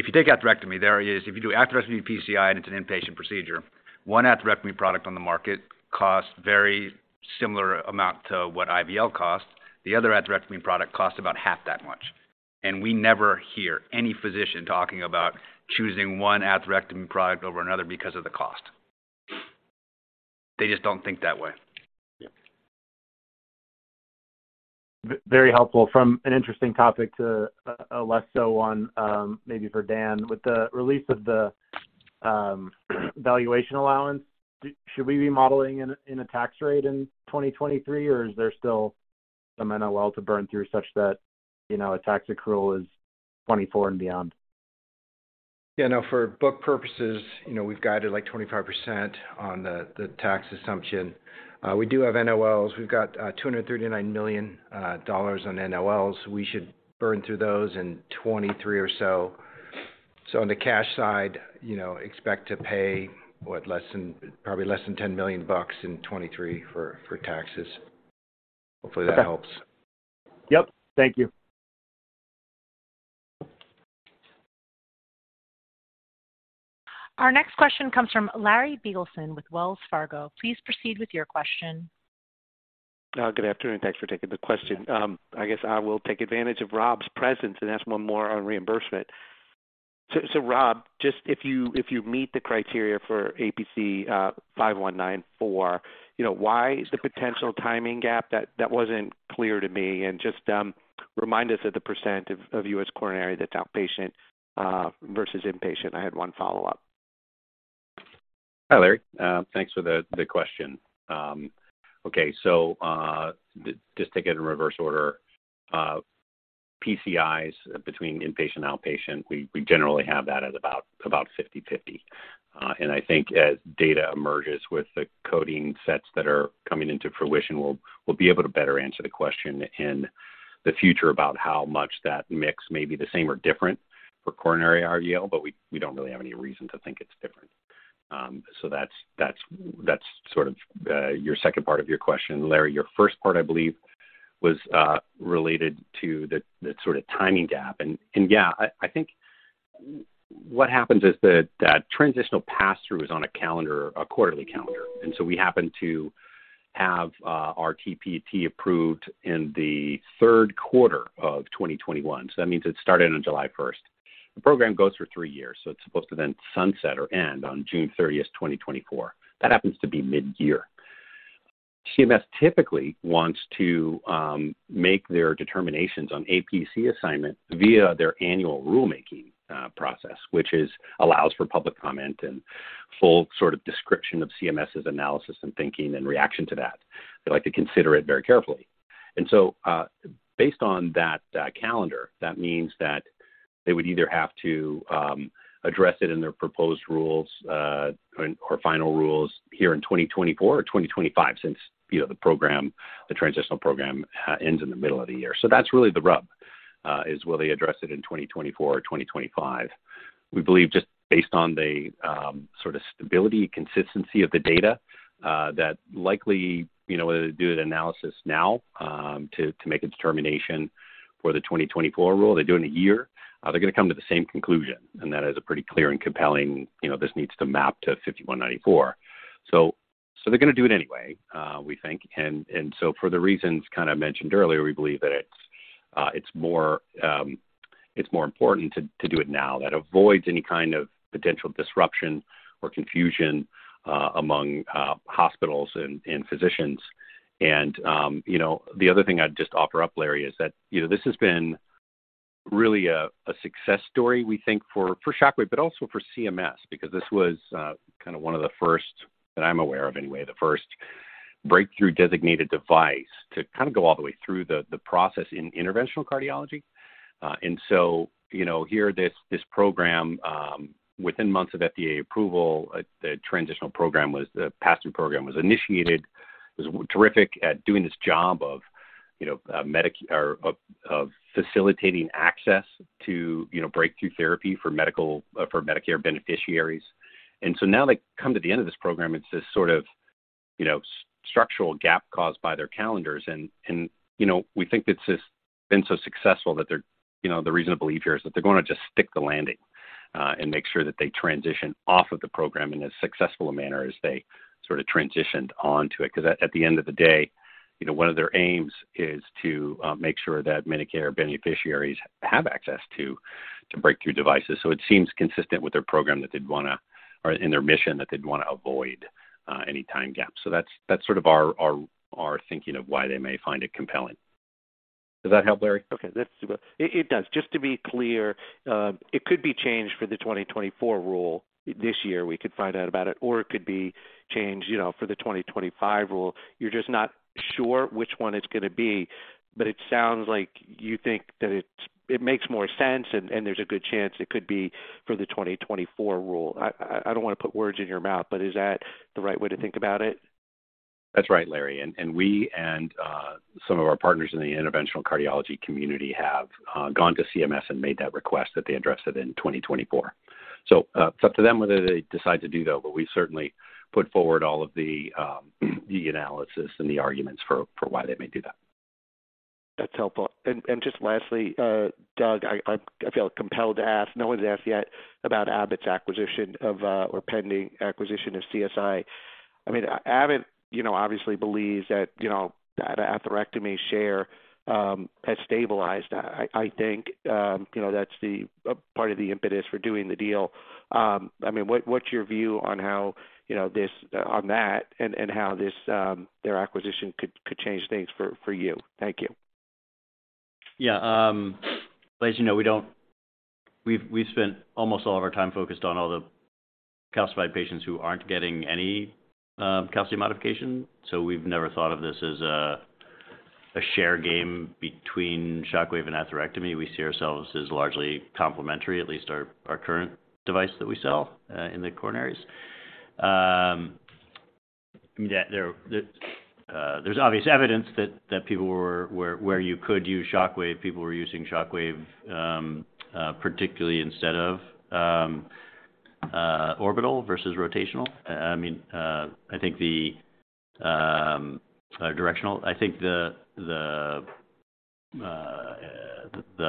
Speaker 5: if you take atherectomy, there is if you do atherectomy PCI and it's an inpatient procedure, one atherectomy product on the market costs very similar amount to what IVL costs. The other atherectomy product costs about half that much. We never hear any physician talking about choosing one atherectomy product over another because of the cost. They just don't think that way.
Speaker 3: Yeah.
Speaker 10: Very helpful. From an interesting topic to less so one, maybe for Dan. With the release of the valuation allowance, should we be modeling in a tax rate in 2023, or is there still some NOL to burn through such that, you know, a tax accrual is 2024 and beyond?
Speaker 5: Yeah, no, for book purposes, you know, we've guided like 25% on the tax assumption. We do have NOLs. We've got $239 million on NOLs. We should burn through those in 2023 or so. On the cash side, you know, expect to pay, probably less than $10 million in 2023 for taxes. Hopefully that helps.
Speaker 10: Yep. Thank you.
Speaker 1: Our next question comes from Larry Biegelsen with Wells Fargo. Please proceed with your question.
Speaker 11: Good afternoon. Thanks for taking the question. I guess I will take advantage of Rob's presence and ask one more on reimbursement. Rob, just if you meet the criteria for APC 5194, you know, why is the potential timing gap? That wasn't clear to me. Just, remind us of the % of U.S. coronary that's outpatient versus inpatient. I had one follow-up.
Speaker 8: Hi, Larry. Thanks for the question. Okay. Just take it in reverse order. PCIs between inpatient and outpatient, we generally have that at about 50/50. I think as data emerges with the coding sets that are coming into fruition, we'll be able to better answer the question in the future about how much that mix may be the same or different for coronary RYO, but we don't really have any reason to think it's different. That's sort of the, your second part of your question, Larry. Your first part, I believe, was related to the sort of timing gap. Yeah, I think what happens is that transitional pass-through is on a calendar, a quarterly calendar. We happen to have our TPT approved in the third quarter of 2021. That means it started on July first. The program goes for three years, it's supposed to then sunset or end on June 30th, 2024. That happens to be mid-year. CMS typically wants to make their determinations on APC assignment via their annual rulemaking process, which is allows for public comment and full sort of description of CMS's analysis and thinking and reaction to that. They like to consider it very carefully. Based on that calendar, that means that they would either have to address it in their proposed rules or final rules here in 2024 or 2025, since, you know, the program, the transitional program, ends in the middle of the year. That's really the rub, is will they address it in 2024 or 2025. We believe just based on the sort of stability, consistency of the data, that likely, you know, whether they do the analysis now, to make a determination for the 2024 rule, they do it in a year, they're gonna come to the same conclusion. That is a pretty clear and compelling, you know, this needs to map to APC 5194. They're gonna do it anyway, we think. For the reasons kind of mentioned earlier, we believe that it's more, it's more important to do it now. That avoids any kind of potential disruption or confusion among hospitals and physicians. You know, the other thing I'd just offer up, Larry, is that, you know, this has been really a success story, we think, for Shockwave, but also for CMS, because this was kind of one of the first, that I'm aware of anyway, the first breakthrough-designated device to kind of go all the way through the process in interventional cardiology. You know, here, this program, within months of FDA approval, the pass-through program was initiated. It was terrific at doing this job of, you know, or of facilitating access to, you know, breakthrough therapy for Medicare beneficiaries. Now they come to the end of this program, it's this sort of, you know, structural gap caused by their calendars. You know, we think it's just been so successful that they're, you know, the reasonable belief here is that they're gonna just stick the landing and make sure that they transition off of the program in as successful a manner as they sort of transitioned onto it. 'Cause at the end of the day, you know, one of their aims is to make sure that Medicare beneficiaries have access to breakthrough devices. It seems consistent with their program that they'd wanna avoid any time gaps. That's sort of our thinking of why they may find it compelling. Does that help, Larry?
Speaker 11: That's super. It does. Just to be clear, it could be changed for the 2024 rule this year. We could find out about it. It could be changed, you know, for the 2025 rule. You're just not sure which one it's gonna be. It sounds like you think that it makes more sense and there's a good chance it could be for the 2024 rule. I don't wanna put words in your mouth, but is that the right way to think about it?
Speaker 8: That's right, Larry. We and some of our partners in the interventional cardiology community have gone to CMS and made that request that they address it in 2024. It's up to them whether they decide to do that, but we certainly put forward all of the analysis and the arguments for why they may do that.
Speaker 11: That's helpful. Just lastly, Doug, I feel compelled to ask, no one's asked yet about Abbott's acquisition of, or pending acquisition of CSI. I mean, Abbott, you know, obviously believes that, you know, that atherectomy share has stabilized. I think, you know, that's a part of the impetus for doing the deal. I mean, what's your view on how, you know, on that and how this, their acquisition could change things for you? Thank you.
Speaker 3: Yeah. As you know, We've spent almost all of our time focused on all the calcified patients who aren't getting any calcium modification. We've never thought of this as a. A share game between Shockwave and atherectomy. We see ourselves as largely complementary, at least our current device that we sell in the coronaries. Yeah, there's obvious evidence that people where you could use Shockwave, people were using Shockwave, particularly instead of orbital versus rotational. I mean, I think the directional. I think the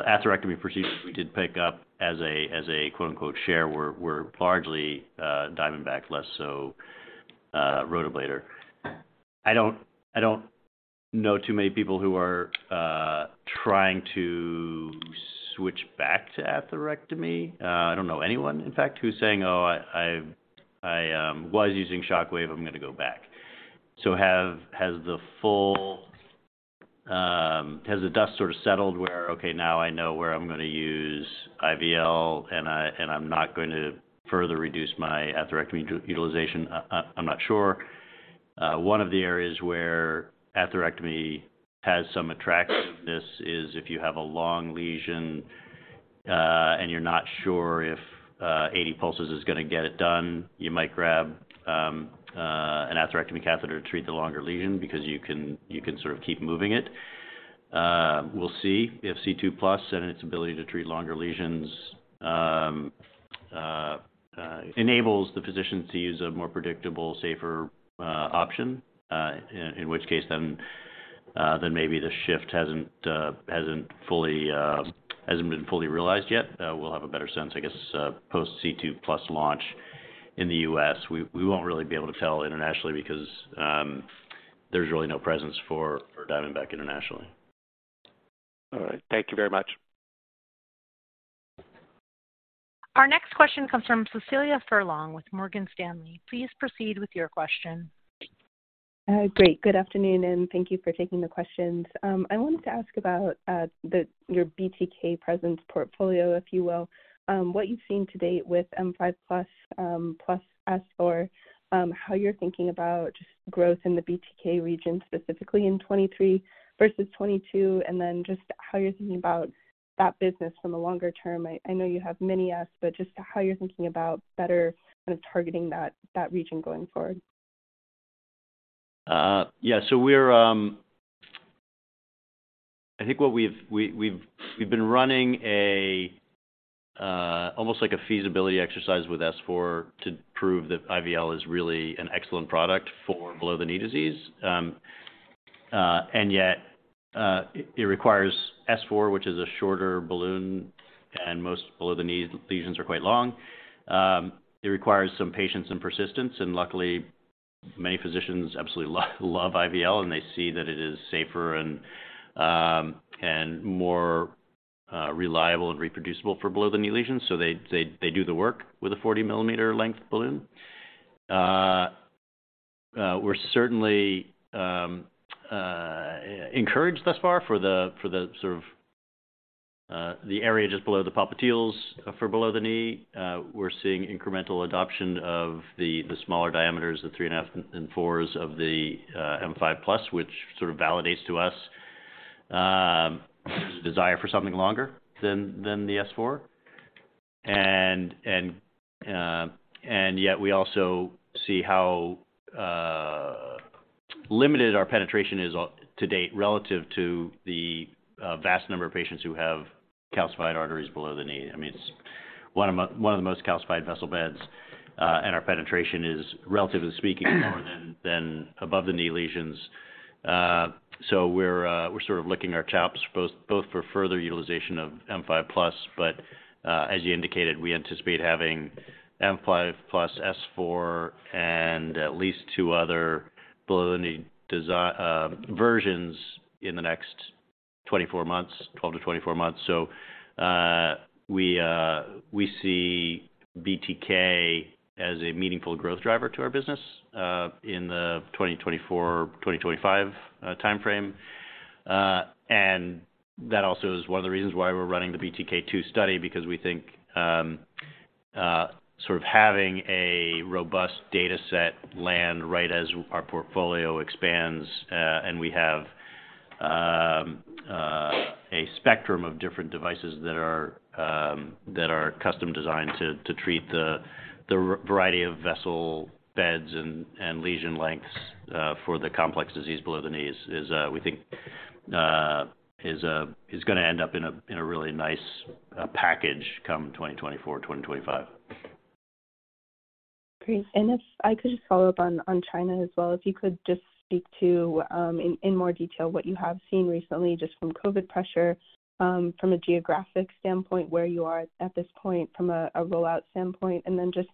Speaker 3: atherectomy procedures we did pick up as a quote-unquote share were largely Diamondback, less so Rotablator. I don't, I don't know too many people who are trying to switch back to atherectomy. I don't know anyone, in fact, who's saying, "Oh, I was using Shockwave, I'm gonna go back." Has the full... Has the dust sort of settled where, okay, now I know where I'm gonna use IVL, and I'm not going to further reduce my atherectomy utilization, I'm not sure? One of the areas where atherectomy has some attractiveness is if you have a long lesion, and you're not sure if 80 pulses is gonna get it done, you might grab an atherectomy catheter to treat the longer lesion because you can sort of keep moving it. We'll see if C2+ and its ability to treat longer lesions, enables the physicians to use a more predictable, safer, option, in which case then maybe the shift hasn't fully been realized yet. We'll have a better sense, I guess, post C2+ launch in the U.S. We won't really be able to tell internationally because, there's really no presence for Diamondback internationally.
Speaker 11: All right. Thank you very much.
Speaker 1: Our next question comes from Cecilia Furlong with Morgan Stanley. Please proceed with your question.
Speaker 12: Great. Good afternoon, thank you for taking the questions. I wanted to ask about your BTK presence portfolio, if you will. What you've seen to date with M5+, plus S4, how you're thinking about growth in the BTK region, specifically in 2023 versus 2022, and then just how you're thinking about that business from a longer term. I know you have many asks, but just how you're thinking about better kind of targeting that region going forward.
Speaker 3: Yeah. I think what we've been running almost like a feasibility exercise with S4 to prove that IVL is really an excellent product for below the knee disease. Yet, it requires S4, which is a shorter balloon, and most below the knee lesions are quite long. It requires some patience and persistence, and luckily many physicians absolutely love IVL, and they see that it is safer and more reliable and reproducible for below the knee lesions, so they do the work with a 40 millimeter length balloon. We're certainly encouraged thus far for the sort of the area just below the popliteals for below the knee. We're seeing incremental adoption of the smaller diameters, the three point five and four's of the M5+, which sort of validates to us desire for something longer than the S4. Yet we also see how limited our penetration is to date relative to the vast number of patients who have calcified arteries below the knee. I mean, it's one of the most calcified vessel beds, and our penetration is, relatively speaking, lower than above the knee lesions. We're sort of licking our chops both for further utilization of M5+, but as you indicated, we anticipate having M5+ S4 and at least two other below the knee versions in the next 24 months, 12-24 months. We see BTK as a meaningful growth driver to our business in the 2024, 2025 timeframe. And that also is one of the reasons why we're running the BTK two study because we think, sort of having a robust dataset land right as our portfolio expands, and we have a spectrum of different devices that are custom-designed to treat the variety of vessel beds and lesion lengths for the complex disease below the knee is, we think, is gonna end up in a really nice package come 2024, 2025.
Speaker 12: Great. If I could just follow up on China as well, if you could just speak to in more detail what you have seen recently just from COVID pressure, from a geographic standpoint, where you are at this point from a rollout standpoint, and then just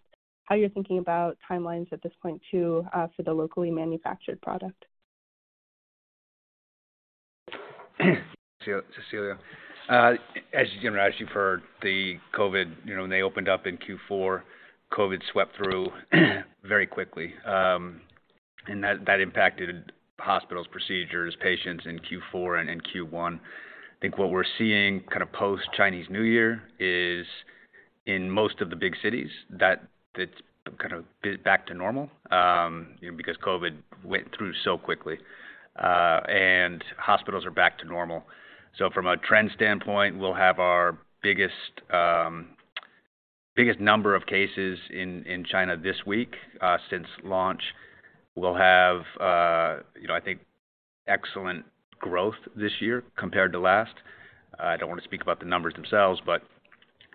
Speaker 12: how you're thinking about timelines at this point too, for the locally manufactured product.
Speaker 3: Cecilia. As, you know, as you've heard, the COVID, you know, when they opened up in Q4, COVID swept through very quickly. That impacted hospitals, procedures, patients in Q4 and in Q1. I think what we're seeing kind of post-Chinese New Year is in most of the big cities that it's kind of back to normal, you know, because COVID went through so quickly. Hospitals are back to normal. From a trend standpoint, we'll have our biggest number of cases in China this week since launch. We'll have, you know, I think excellent growth this year compared to last. I don't wanna speak about the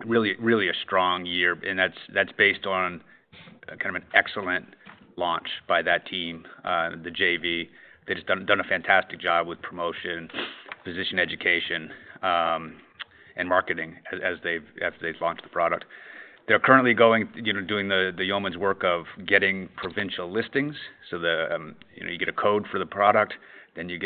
Speaker 3: numbers themselves, really a strong year, and that's based on kind of an excellent launch by that team, the JV. They just done a fantastic job with promotion, physician education, and marketing as they've after they've launched the product. They're currently going, you know, doing the yeoman's work of getting provincial listings. The, you know, you get a code for the product, then you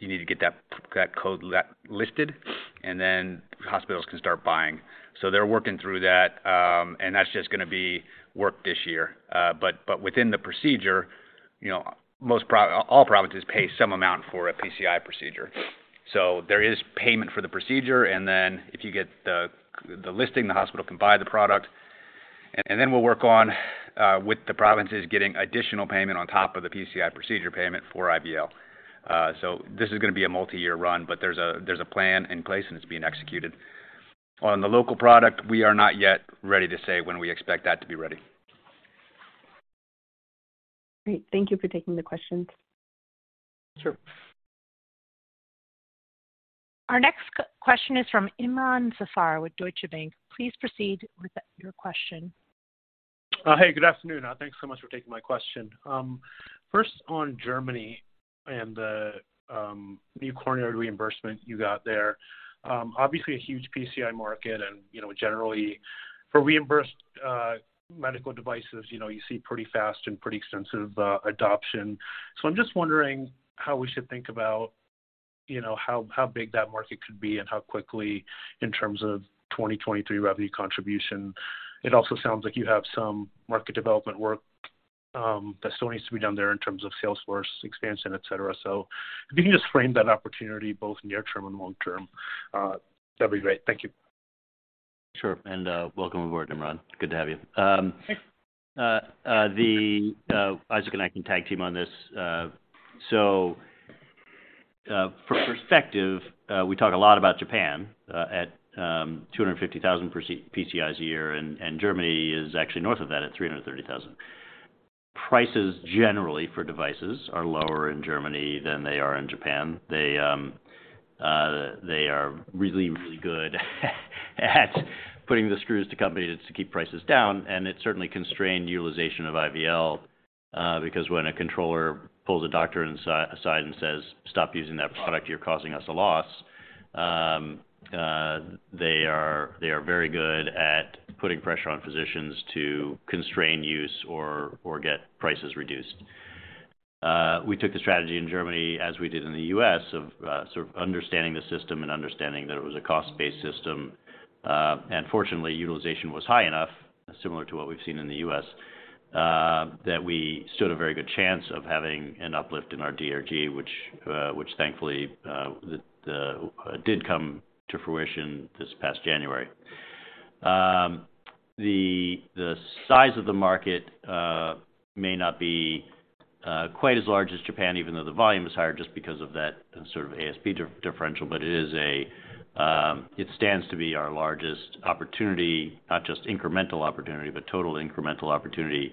Speaker 3: need to get that code listed, then hospitals can start buying. They're working through that's just gonna be work this year. But within the procedure, you know, all provinces pay some amount for a PCI procedure. There is payment for the procedure then if you get the listing, the hospital can buy the product. Then we'll work on with the provinces getting additional payment on top of the PCI procedure payment for IVL. This is gonna be a multi-year run, but there's a plan in place, and it's being executed. The local product, we are not yet ready to say when we expect that to be ready.
Speaker 12: Great. Thank you for taking the questions.
Speaker 3: Sure.
Speaker 1: Our next question is from Imron Zafar with Deutsche Bank. Please proceed with your question.
Speaker 13: Hey, good afternoon. Thanks so much for taking my question. First on Germany and the new coronary reimbursement you got there. Obviously a huge PCI market and, you know, generally for reimbursed medical devices, you know, you see pretty fast and pretty extensive adoption. I'm just wondering how we should think about, you know, how big that market could be and how quickly in terms of 2023 revenue contribution. It also sounds like you have some market development work that still needs to be done there in terms of sales force expansion, et cetera. If you can just frame that opportunity both near term and long term, that'd be great. Thank you.
Speaker 3: Sure. Welcome aboard, Imron. Good to have you.
Speaker 13: Thanks.
Speaker 3: Isaac and I can tag team on this. For perspective, we talk a lot about Japan at 250,000 PCIs a year, and Germany is actually north of that at 330,000. Prices generally for devices are lower in Germany than they are in Japan. They are really, really good at putting the screws to companies to keep prices down, and it certainly constrained utilization of IVL, because when a controller pulls a doctor aside and says, "Stop using that product, you're causing us a loss," they are very good at putting pressure on physicians to constrain use or get prices reduced. We took the strategy in Germany as we did in the U.S., of sort of understanding the system and understanding that it was a cost-based system. Fortunately, utilization was high enough, similar to what we've seen in the U.S., that we stood a very good chance of having an uplift in our DRG, which thankfully, did come to fruition this past January. The size of the market, may not be quite as large as Japan, even though the volume is higher just because of that sort of ASP differential. It is a, it stands to be our largest opportunity, not just incremental opportunity, but total incremental opportunity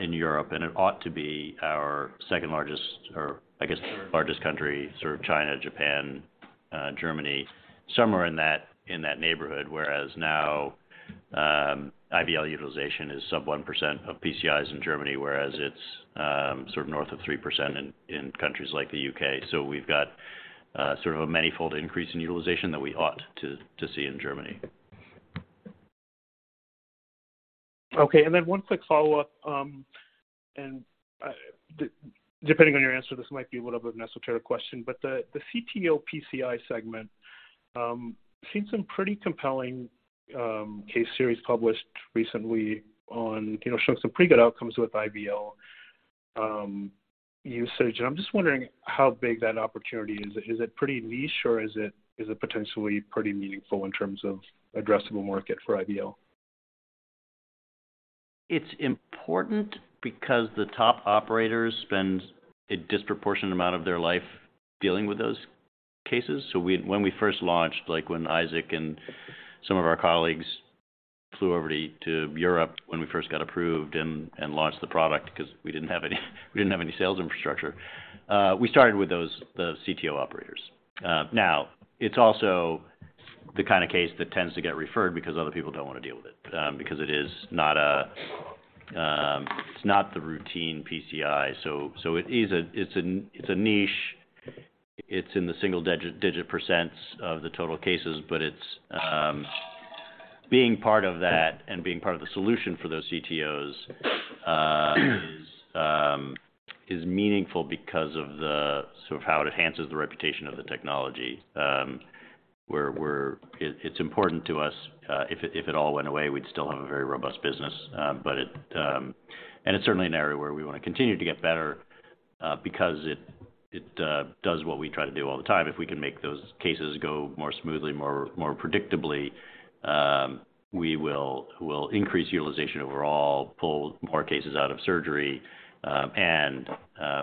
Speaker 3: in Europe. It ought to be our second largest, or I guess largest country, sort of China, Japan, Germany, somewhere in that, in that neighborhood. Now, IVL utilization is sub 1% of PCIs in Germany, whereas it's sort of north of 3% in countries like the U.K., We've got sort of a manifold increase in utilization that we ought to see in Germany.
Speaker 13: Okay. One quick follow-up, and depending on your answer, this might be a little bit of an esoteric question. The CTO PCI segment, seen some pretty compelling case series published recently on, you know, showing some pretty good outcomes with IVL usage. I'm just wondering how big that opportunity is? Is it pretty niche or is it potentially pretty meaningful in terms of addressable market for IVL?
Speaker 3: It's important because the top operators spend a disproportionate amount of their life dealing with those cases. When we first launched, like when Isaac and some of our colleagues flew over to Europe when we first got approved and launched the product because we didn't have any, we didn't have any sales infrastructure, we started with those, the CTO operators. Now, it's also the kind of case that tends to get referred because other people don't wanna deal with it, because it is not a, it's not the routine PCI. It is a it's a niche. It's in the single digit % of the total cases, but it's being part of that and being part of the solution for those CTOs is meaningful because of the sort of how it enhances the reputation of the technology. We're. It's important to us. If it all went away, we'd still have a very robust business. But it's certainly an area where we wanna continue to get better because it does what we try to do all the time. If we can make those cases go more smoothly, more predictably, we'll increase utilization overall, pull more cases out of surgery, and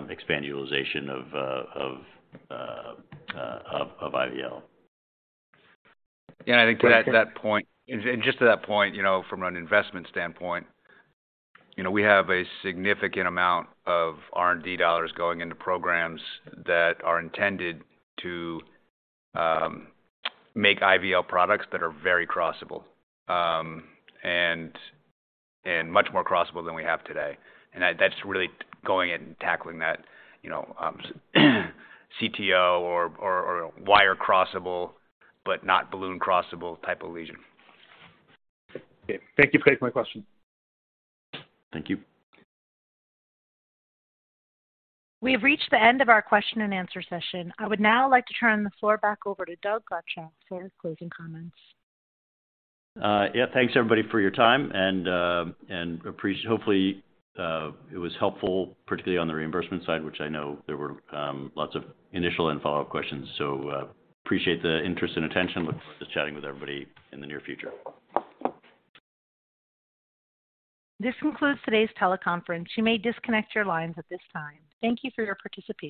Speaker 3: expand utilization of IVL. Yeah, I think to that point, and just to that point, you know, from an investment standpoint, you know, we have a significant amount of R&D dollars going into programs that are intended to make IVL products that are very crossable, and much more crossable than we have today. That's really going in tackling that, you know, CTO or wire crossable, but not balloon crossable type of lesion.
Speaker 13: Okay. Thank you for taking my question.
Speaker 3: Thank you.
Speaker 1: We have reached the end of our question and answer session. I would now like to turn the floor back over to Doug Godshall for closing comments.
Speaker 3: Yeah. Thanks, everybody, for your time and appreciate... Hopefully, it was helpful, particularly on the reimbursement side, which I know there were lots of initial and follow-up questions. Appreciate the interest and attention. Look forward to chatting with everybody in the near future.
Speaker 1: This concludes today's teleconference. You may disconnect your lines at this time. Thank you for your participation.